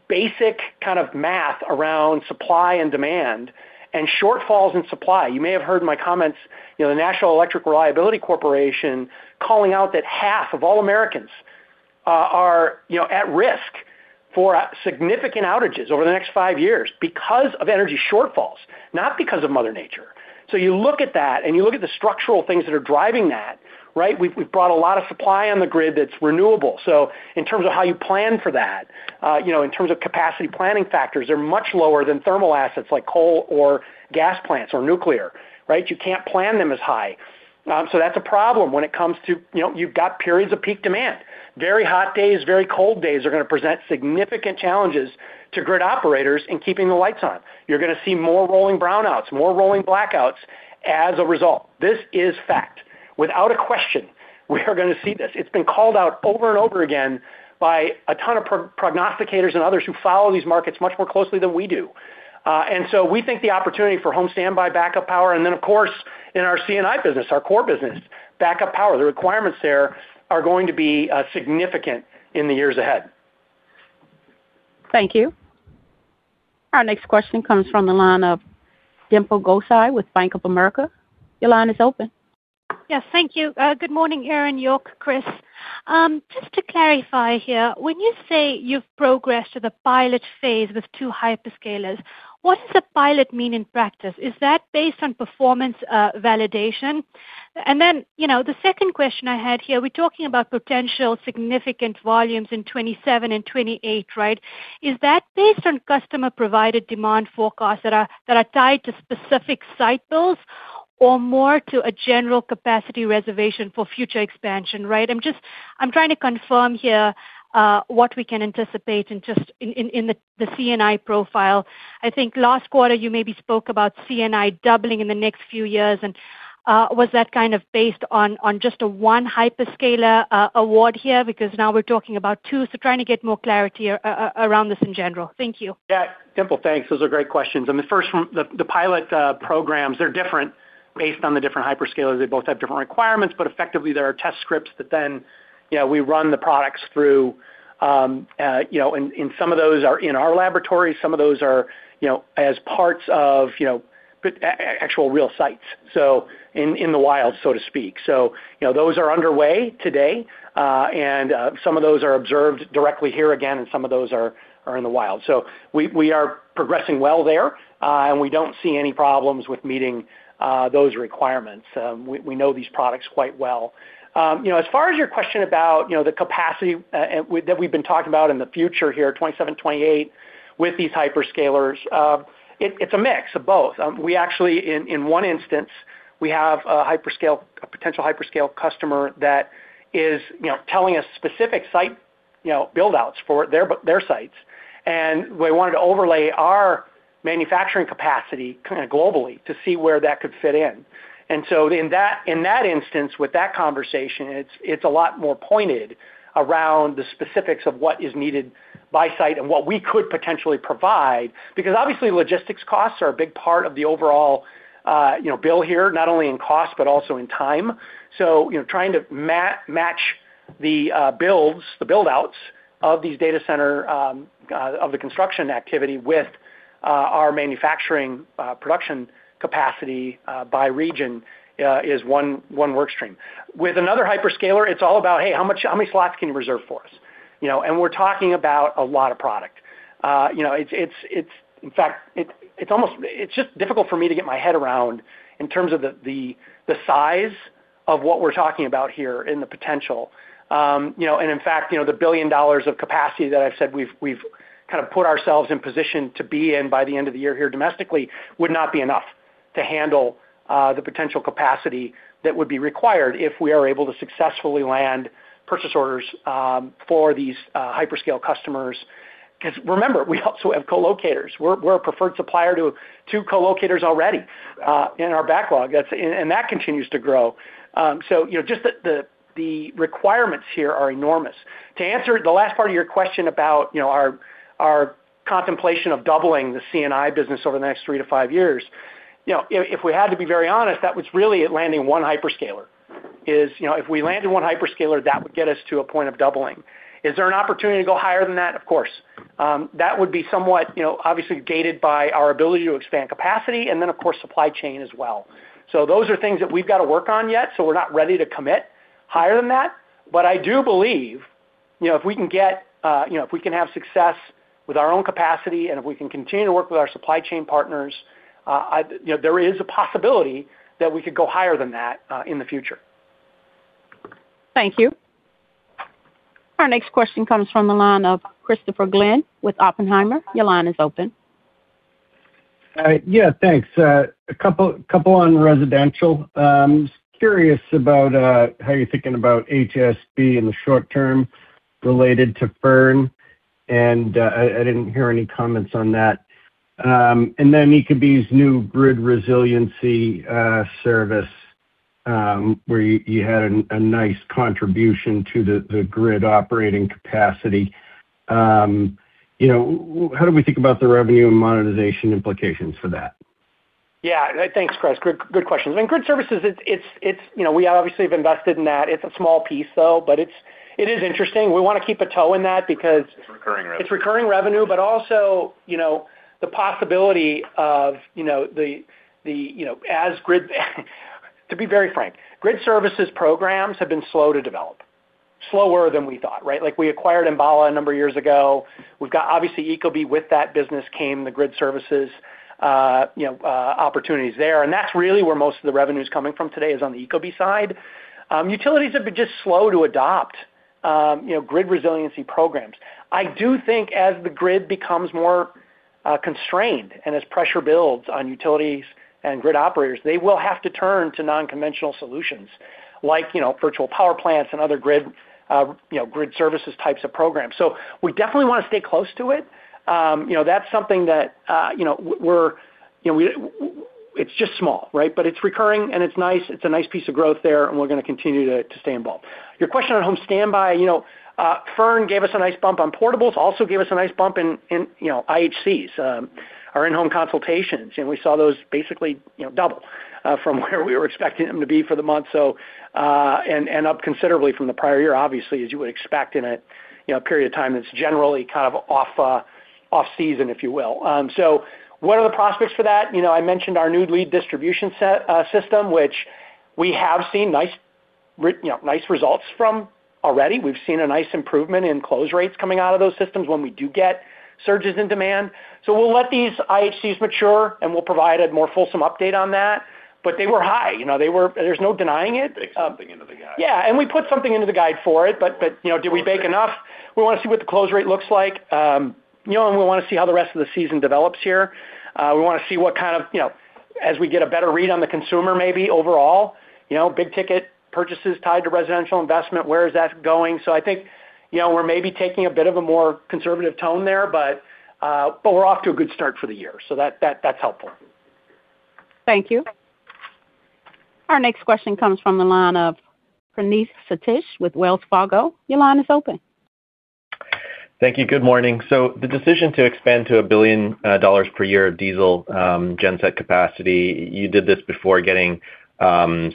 basic kind of math around supply and demand and shortfalls in supply. You may have heard in my comments, the North American Electric Reliability Corporation calling out that half of all Americans are at risk for significant outages over the next five years because of energy shortfalls, not because of Mother Nature. So you look at that, and you look at the structural things that are driving that, right? We've brought a lot of supply on the grid that's renewable. So in terms of how you plan for that, in terms of capacity planning factors, they're much lower than thermal assets like coal or gas plants or nuclear, right? You can't plan them as high. So that's a problem when it comes to you've got periods of peak demand. Very hot days, very cold days are going to present significant challenges to grid operators in keeping the lights on. You're going to see more rolling brownouts, more rolling blackouts as a result. This is fact. Without a question, we are going to see this. It's been called out over and over again by a ton of prognosticators and others who follow these markets much more closely than we do. And so we think the opportunity for home standby backup power and then, of course, in our C&I business, our core business, backup power, the requirements there are going to be significant in the years ahead. Thank you. Our next question comes from the line of Dimple Gosai with Bank of America. Your line is open. Yes. Thank you. Good morning, Aaron, York, Kris. Just to clarify here, when you say you've progressed to the pilot phase with two hyperscalers, what does the pilot mean in practice? Is that based on performance validation? And then the second question I had here, we're talking about potential significant volumes in 2027 and 2028, right? Is that based on customer-provided demand forecasts that are tied to specific site builds or more to a general capacity reservation for future expansion, right? I'm trying to confirm here what we can anticipate in the C&I profile. I think last quarter, you maybe spoke about C&I doubling in the next few years. And was that kind of based on just a one hyperscaler award here? Because now we're talking about two. So trying to get more clarity around this in general. Thank you. Yeah. Dimple, thanks. Those are great questions. I mean, first, the pilot programs, they're different based on the different hyperscalers. They both have different requirements. But effectively, there are test scripts that then we run the products through. And some of those are in our laboratories. Some of those are as parts of actual real sites, so in the wild, so to speak. So those are underway today. And some of those are observed directly here again, and some of those are in the wild. So we are progressing well there, and we don't see any problems with meeting those requirements. We know these products quite well. As far as your question about the capacity that we've been talking about in the future here, 2027, 2028, with these hyperscalers, it's a mix of both. In one instance, we have a potential hyperscaler customer that is telling us specific site buildouts for their sites. We wanted to overlay our manufacturing capacity kind of globally to see where that could fit in. So in that instance, with that conversation, it's a lot more pointed around the specifics of what is needed by site and what we could potentially provide. Because obviously, logistics costs are a big part of the overall bill here, not only in cost but also in time. Trying to match the buildouts of these data centers' construction activity with our manufacturing production capacity by region is one workstream. With another hyperscaler, it's all about, "Hey, how many slots can you reserve for us?" And we're talking about a lot of product. In fact, it's just difficult for me to get my head around in terms of the size of what we're talking about here and the potential. In fact, the $1 billion of capacity that I've said we've kind of put ourselves in position to be in by the end of the year here domestically would not be enough to handle the potential capacity that would be required if we are able to successfully land purchase orders for these hyperscaler customers. Because remember, we also have collocators. We're a preferred supplier to two collocators already in our backlog, and that continues to grow. So just the requirements here are enormous. To answer the last part of your question about our contemplation of doubling the C&I business over the next three-five years, if we had to be very honest, that was really landing one hyperscaler. If we landed one hyperscaler, that would get us to a point of doubling. Is there an opportunity to go higher than that? Of course. That would be somewhat obviously gated by our ability to expand capacity and then, of course, supply chain as well. So those are things that we've got to work on yet, so we're not ready to commit higher than that. But I do believe if we can have success with our own capacity and if we can continue to work with our supply chain partners, there is a possibility that we could go higher than that in the future. Thank you. Our next question comes from the line of Christopher Glynn with Oppenheimer. Your line is open. Yeah. Thanks. A couple on residential. I'm curious about how you're thinking about HSB in the short term related to Fern. And I didn't hear any comments on that. And then ecobee's new grid resiliency service, where you had a nice contribution to the grid operating capacity, how do we think about the revenue and monetization implications for that? Yeah. Thanks, Chris. Good questions. I mean, grid services, we obviously have invested in that. It's a small piece, though. But it is interesting. We want to keep a toe in that because. It's recurring revenue. It's recurring revenue, but also the possibility of the grid, to be very frank, grid services programs have been slow to develop, slower than we thought, right? We acquired Enbala a number of years ago. Obviously, ecobee, with that business, came the grid services opportunities there. And that's really where most of the revenue is coming from today is on the ecobee side. Utilities have been just slow to adopt grid resiliency programs. I do think as the grid becomes more constrained and as pressure builds on utilities and grid operators, they will have to turn to non-conventional solutions like virtual power plants and other grid services types of programs. So we definitely want to stay close to it. That's something that we're. It's just small, right? But it's recurring, and it's nice. It's a nice piece of growth there, and we're going to continue to stay involved. Your question on home standby, Fern gave us a nice bump on portables, also gave us a nice bump in IHCs, our in-home consultations. We saw those basically double from where we were expecting them to be for the month, so, and up considerably from the prior year, obviously, as you would expect in a period of time that's generally kind of off-season, if you will. So what are the prospects for that? I mentioned our new lead distribution system, which we have seen nice results from already. We've seen a nice improvement in close rates coming out of those systems when we do get surges in demand. So we'll let these IHCs mature, and we'll provide a more fulsome update on that. But they were high. There's no denying it. They put something into the guide. Yeah. And we put something into the guide for it. But did we bake enough? We want to see what the close rate looks like. And we want to see how the rest of the season develops here. We want to see what kind of as we get a better read on the consumer, maybe overall, big-ticket purchases tied to residential investment, where is that going? So I think we're maybe taking a bit of a more conservative tone there, but we're off to a good start for the year. So that's helpful. Thank you. Our next question comes from the line of Praneeth Satish with Wells Fargo. Your line is open. Thank you. Good morning. So the decision to expand to $1 billion per year of diesel genset capacity, you did this before getting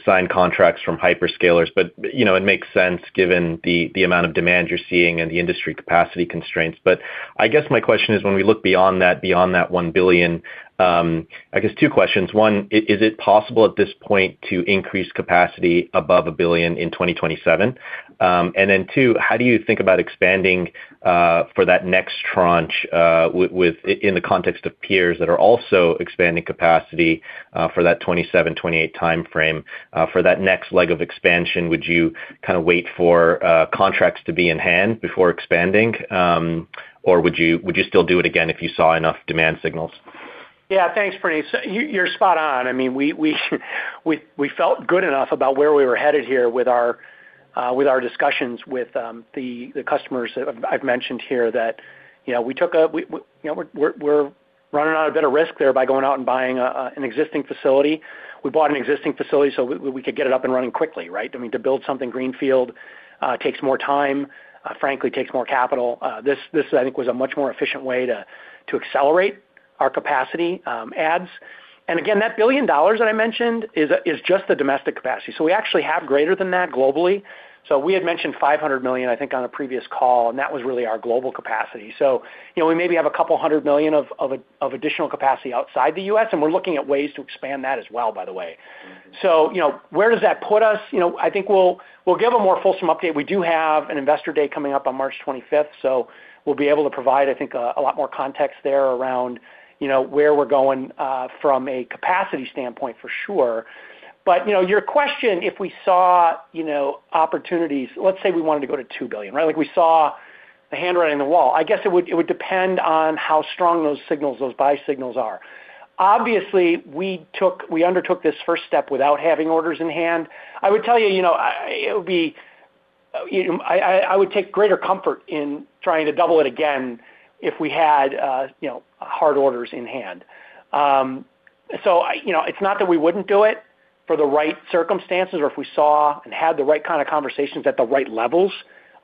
signed contracts from hyperscalers. But it makes sense given the amount of demand you're seeing and the industry capacity constraints. But I guess my question is, when we look beyond that $1 billion, I guess two questions. One, is it possible at this point to increase capacity above $1 billion in 2027? And then two, how do you think about expanding for that next tranche in the context of peers that are also expanding capacity for that 2027, 2028 timeframe? For that next leg of expansion, would you kind of wait for contracts to be in hand before expanding, or would you still do it again if you saw enough demand signals? Yeah. Thanks, Praneeth. You're spot on. I mean, we felt good enough about where we were headed here with our discussions with the customers that I've mentioned here that we took a bit of a risk there by going out and buying an existing facility. We bought an existing facility so we could get it up and running quickly, right? I mean, to build something greenfield takes more time, frankly, takes more capital. This, I think, was a much more efficient way to accelerate our capacity adds. And again, that $1 billion that I mentioned is just the domestic capacity. So we actually have greater than that globally. So we had mentioned $500 million, I think, on a previous call, and that was really our global capacity. So we maybe have $200 million of additional capacity outside the U.S., and we're looking at ways to expand that as well, by the way. So where does that put us? I think we'll give a more fulsome update. We do have an investor day coming up on March 25th, so we'll be able to provide, I think, a lot more context there around where we're going from a capacity standpoint for sure. But your question, if we saw opportunities let's say we wanted to go to $2 billion, right? We saw the handwriting on the wall. I guess it would depend on how strong those buy signals are. Obviously, we undertook this first step without having orders in hand. I would tell you, it would be I would take greater comfort in trying to double it again if we had hard orders in hand. So it's not that we wouldn't do it for the right circumstances or if we saw and had the right kind of conversations at the right levels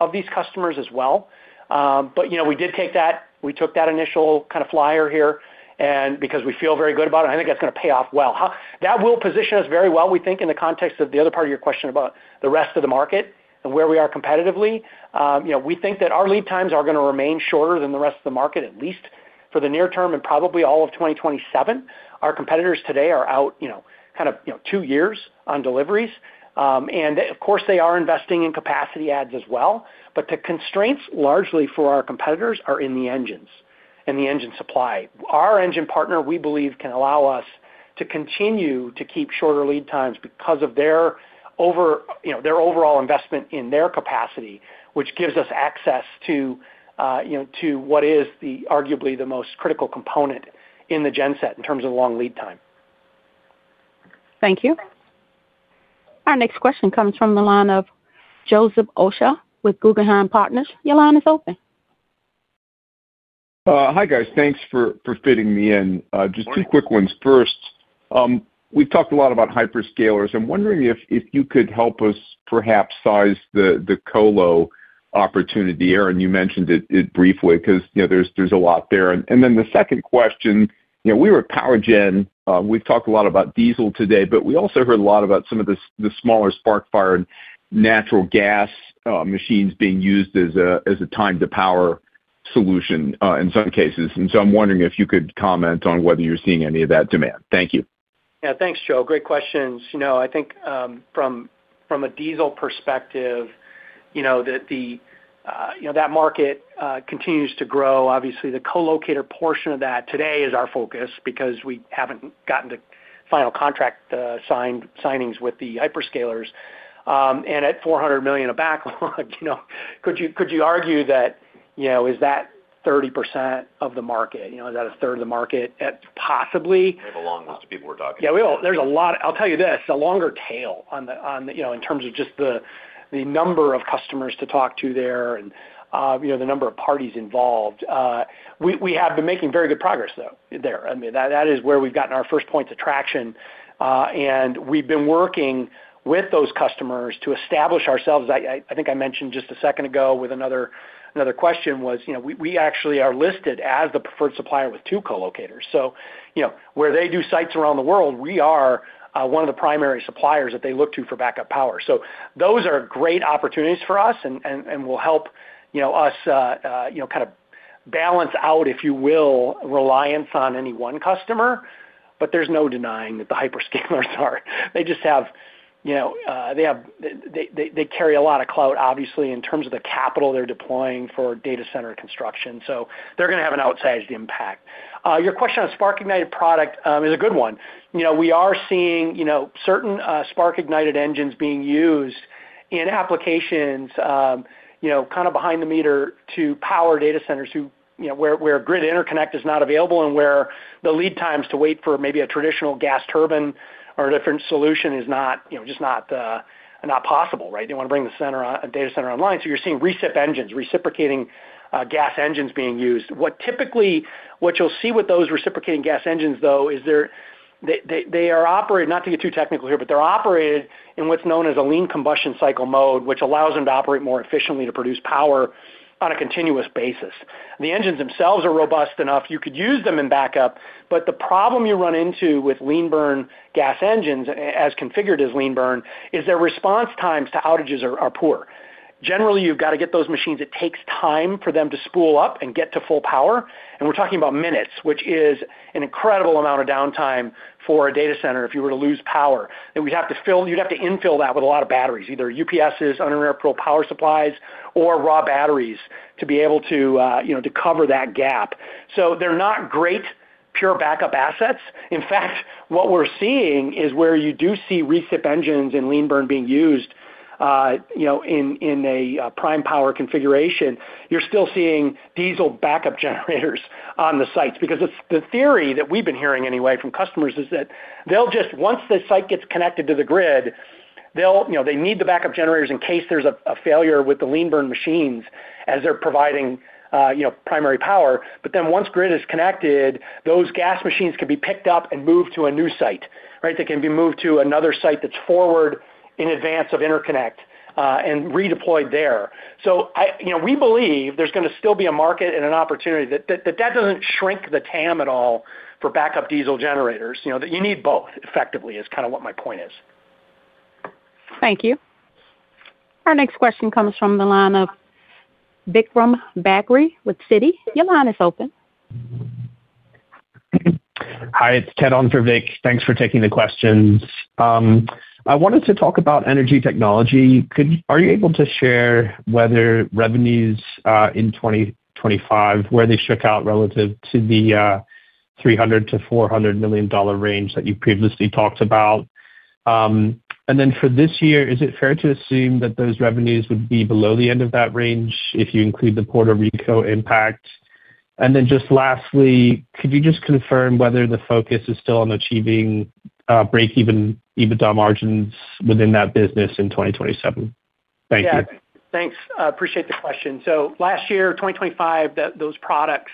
of these customers as well. But we did take that initial kind of flyer here because we feel very good about it, and I think that's going to pay off well. That will position us very well, we think, in the context of the other part of your question about the rest of the market and where we are competitively. We think that our lead times are going to remain shorter than the rest of the market, at least for the near term and probably all of 2027. Our competitors today are out kind of two years on deliveries. And of course, they are investing in capacity adds as well. But the constraints largely for our competitors are in the engines and the engine supply. Our engine partner, we believe, can allow us to continue to keep shorter lead times because of their overall investment in their capacity, which gives us access to what is arguably the most critical component in the genset in terms of long lead time. Thank you. Our next question comes from the line of Joseph Osha with Guggenheim Partners. Your line is open. Hi, guys. Thanks for fitting me in. Just two quick ones. First, we've talked a lot about hyperscalers. I'm wondering if you could help us perhaps size the colo opportunity there. And you mentioned it briefly because there's a lot there. And then the second question, we were at PowerGen. We've talked a lot about diesel today, but we also heard a lot about some of the smaller spark-fired and natural gas machines being used as a time-to-power solution in some cases. And so I'm wondering if you could comment on whether you're seeing any of that demand. Thank you. Yeah. Thanks, Joe. Great questions. I think from a diesel perspective, that market continues to grow. Obviously, the collocator portion of that today is our focus because we haven't gotten to final contract signings with the hyperscalers. And at $400 million of backlog, could you argue that is that 30% of the market? Is that a third of the market? Possibly. We have a long list of people we're talking to. Yeah. There's a lot. I'll tell you this, a longer tail in terms of just the number of customers to talk to there and the number of parties involved. We have been making very good progress, though, there. I mean, that is where we've gotten our first points of traction. And we've been working with those customers to establish ourselves. I think I mentioned just a second ago with another question was we actually are listed as the preferred supplier with two collocators. So where they do sites around the world, we are one of the primary suppliers that they look to for backup power. So those are great opportunities for us and will help us kind of balance out, if you will, reliance on any one customer. But there's no denying that the hyperscalers are. They just have they carry a lot of cloud, obviously, in terms of the capital they're deploying for data center construction. So they're going to have an outsized impact. Your question on spark-ignited product is a good one. We are seeing certain spark-ignited engines being used in applications kind of behind the meter to power data centers where grid interconnect is not available and where the lead times to wait for maybe a traditional gas turbine or a different solution is just not possible, right? They want to bring the data center online. So you're seeing recip engines, reciprocating gas engines being used. What you'll see with those reciprocating gas engines, though, is they are operated not to get too technical here, but they're operated in what's known as a lean combustion cycle mode, which allows them to operate more efficiently to produce power on a continuous basis. The engines themselves are robust enough. You could use them in backup. But the problem you run into with lean burn gas engines as configured as lean burn is their response times to outages are poor. Generally, you've got to get those machines. It takes time for them to spool up and get to full power. And we're talking about minutes, which is an incredible amount of downtime for a data center if you were to lose power. And we'd have to fill, you'd have to infill that with a lot of batteries, either UPSs, uninterruptible power supplies, or raw batteries to be able to cover that gap. So they're not great pure backup assets. In fact, what we're seeing is where you do see recip engines and lean burn being used in a prime power configuration, you're still seeing diesel backup generators on the sites. Because the theory that we've been hearing, anyway, from customers is that once the site gets connected to the grid, they need the backup generators in case there's a failure with the lean burn machines as they're providing primary power. But then once grid is connected, those gas machines can be picked up and moved to a new site, right? They can be moved to another site that's forward in advance of interconnect and redeployed there. So we believe there's going to still be a market and an opportunity that that doesn't shrink the TAM at all for backup diesel generators. You need both, effectively, is kind of what my point is. Thank you. Our next question comes from the line of Vikram Bagri with Citi. Your line is open. Hi. It's Ted on for Vik. Thanks for taking the questions. I wanted to talk about energy technology. Are you able to share whether revenues in 2025, where they struck out relative to the $300 million-$400 million range that you previously talked about? And then for this year, is it fair to assume that those revenues would be below the end of that range if you include the Puerto Rico impact? And then just lastly, could you just confirm whether the focus is still on achieving break-even EBITDA margins within that business in 2027? Thank you. Yeah. Thanks. I appreciate the question. So last year, 2025, those products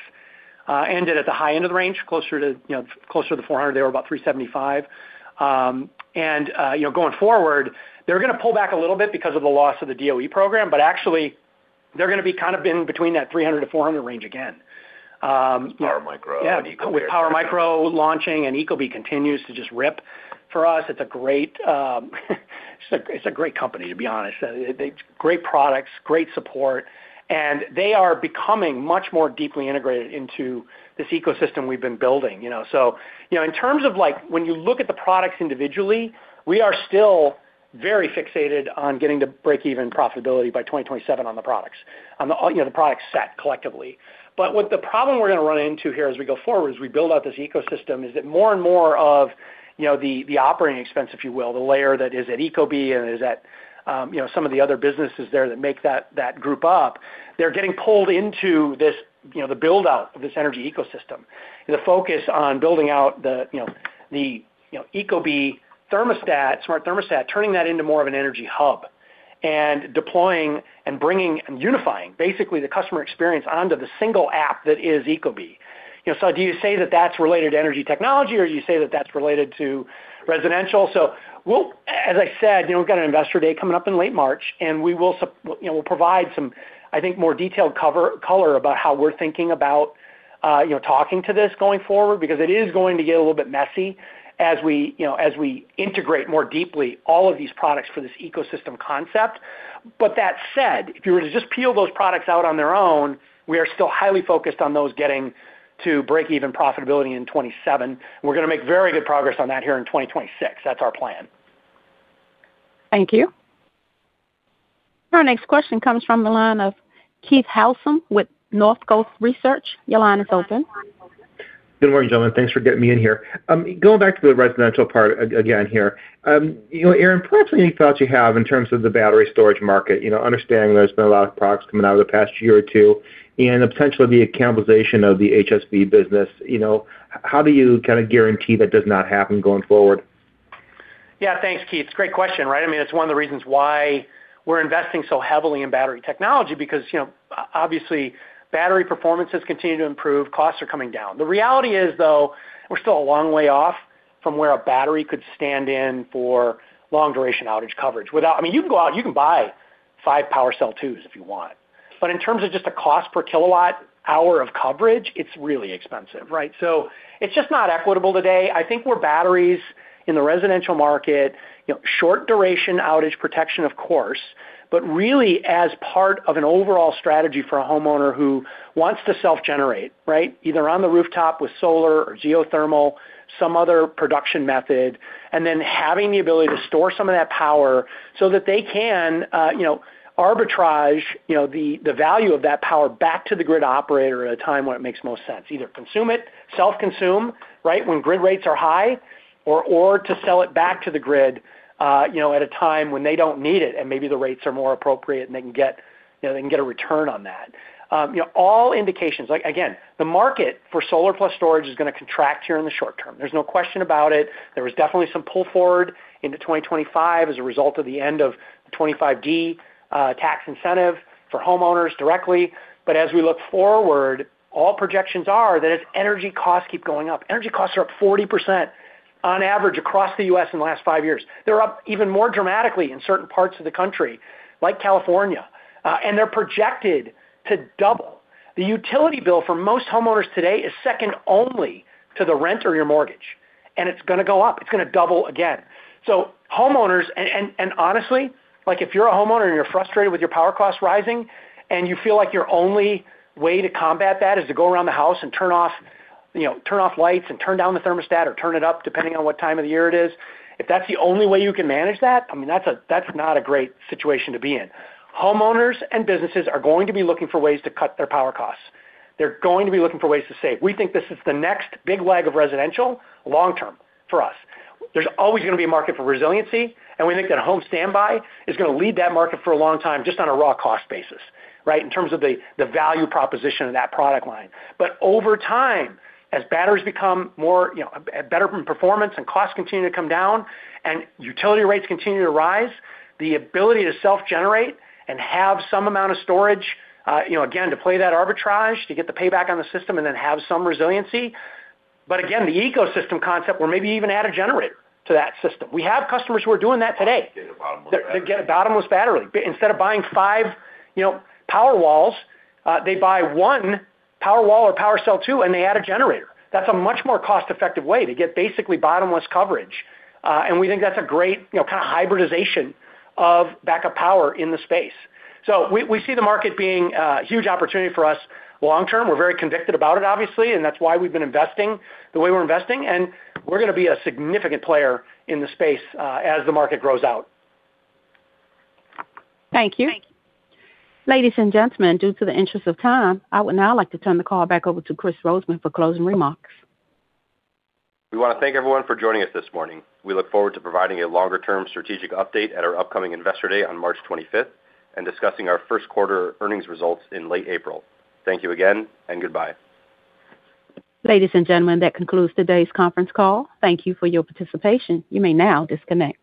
ended at the high end of the range, closer to the 400. They were about 375. And going forward, they're going to pull back a little bit because of the loss of the DOE program, but actually, they're going to be kind of in between that 300-400 range again. PWRmicro and ecobee. Yeah. With PWRmicro launching and ecobee continues to just rip for us. It's a great company, to be honest. Great products, great support. And they are becoming much more deeply integrated into this ecosystem we've been building. So in terms of when you look at the products individually, we are still very fixated on getting to break-even profitability by 2027 on the products, on the product set collectively. But what the problem we're going to run into here as we go forward as we build out this ecosystem is that more and more of the operating expense, if you will, the layer that is at ecobee and is at some of the other businesses there that make that group up, they're getting pulled into the buildout of this energy ecosystem, the focus on building out the ecobee thermostat, smart thermostat, turning that into more of an energy hub and deploying and bringing and unifying, basically, the customer experience onto the single app that is ecobee. So do you say that that's related to energy technology, or do you say that that's related to residential? So as I said, we've got an investor day coming up in late March, and we will provide some, I think, more detailed color about how we're thinking about talking to this going forward because it is going to get a little bit messy as we integrate more deeply all of these products for this ecosystem concept. But that said, if you were to just peel those products out on their own, we are still highly focused on those getting to break-even profitability in 2027. And we're going to make very good progress on that here in 2026. That's our plan. Thank you. Our next question comes from the line of Keith Housum with Northcoast Research. Your line is open. Good morning, gentlemen. Thanks for getting me in here. Going back to the residential part again here, Aaron, perhaps any thoughts you have in terms of the battery storage market, understanding there's been a lot of products coming out over the past year or two and the potential of the cannibalization of the HSG business, how do you kind of guarantee that does not happen going forward? Yeah. Thanks, Keith. It's a great question, right? I mean, it's one of the reasons why we're investing so heavily in battery technology because obviously, battery performance has continued to improve. Costs are coming down. The reality is, though, we're still a long way off from where a battery could stand in for long-duration outage coverage without I mean, you can go out. You can buy five PWRcell 2s if you want. But in terms of just a cost per kilowatt-hour of coverage, it's really expensive, right? So it's just not equitable today. I think where batteries in the residential market, short-duration outage protection, of course, but really as part of an overall strategy for a homeowner who wants to self-generate, right, either on the rooftop with solar or geothermal, some other production method, and then having the ability to store some of that power so that they can arbitrage the value of that power back to the grid operator at a time when it makes most sense, either consume it, self-consume, right, when grid rates are high, or to sell it back to the grid at a time when they don't need it and maybe the rates are more appropriate and they can get a return on that. All indications, again, the market for solar plus storage is going to contract here in the short term. There's no question about it. There was definitely some pull forward into 2025 as a result of the end of the 25D tax incentive for homeowners directly. But as we look forward, all projections are that as energy costs keep going up, energy costs are up 40% on average across the U.S. in the last five years. They're up even more dramatically in certain parts of the country like California. And they're projected to double. The utility bill for most homeowners today is second only to the rent or your mortgage. And it's going to go up. It's going to double again. So homeowners and honestly, if you're a homeowner and you're frustrated with your power costs rising and you feel like your only way to combat that is to go around the house and turn off lights and turn down the thermostat or turn it up depending on what time of the year it is, if that's the only way you can manage that, I mean, that's not a great situation to be in. Homeowners and businesses are going to be looking for ways to cut their power costs. They're going to be looking for ways to save. We think this is the next big leg of residential long-term for us. There's always going to be a market for resiliency. We think that home standby is going to lead that market for a long time just on a raw cost basis, right, in terms of the value proposition of that product line. But over time, as batteries become better in performance and costs continue to come down and utility rates continue to rise, the ability to self-generate and have some amount of storage, again, to play that arbitrage, to get the payback on the system, and then have some resiliency, but again, the ecosystem concept where maybe even add a generator to that system. We have customers who are doing that today. Get a bottomless battery. To get a bottomless battery. Instead of buying five Powerwalls, they buy one Powerwall or PWRcell 2, and they add a generator. That's a much more cost-effective way to get basically bottomless coverage. We think that's a great kind of hybridization of backup power in the space. We see the market being a huge opportunity for us long-term. We're very convicted about it, obviously, and that's why we've been investing, the way we're investing. We're going to be a significant player in the space as the market grows out. Thank you. Ladies and gentlemen, due to the interest of time, I would now like to turn the call back over to Kris Rosemann for closing remarks. We want to thank everyone for joining us this morning. We look forward to providing a longer-term strategic update at our upcoming investor day on March 25th and discussing our first-quarter earnings results in late April. Thank you again, and goodbye. Ladies and gentlemen, that concludes today's conference call. Thank you for your participation. You may now disconnect.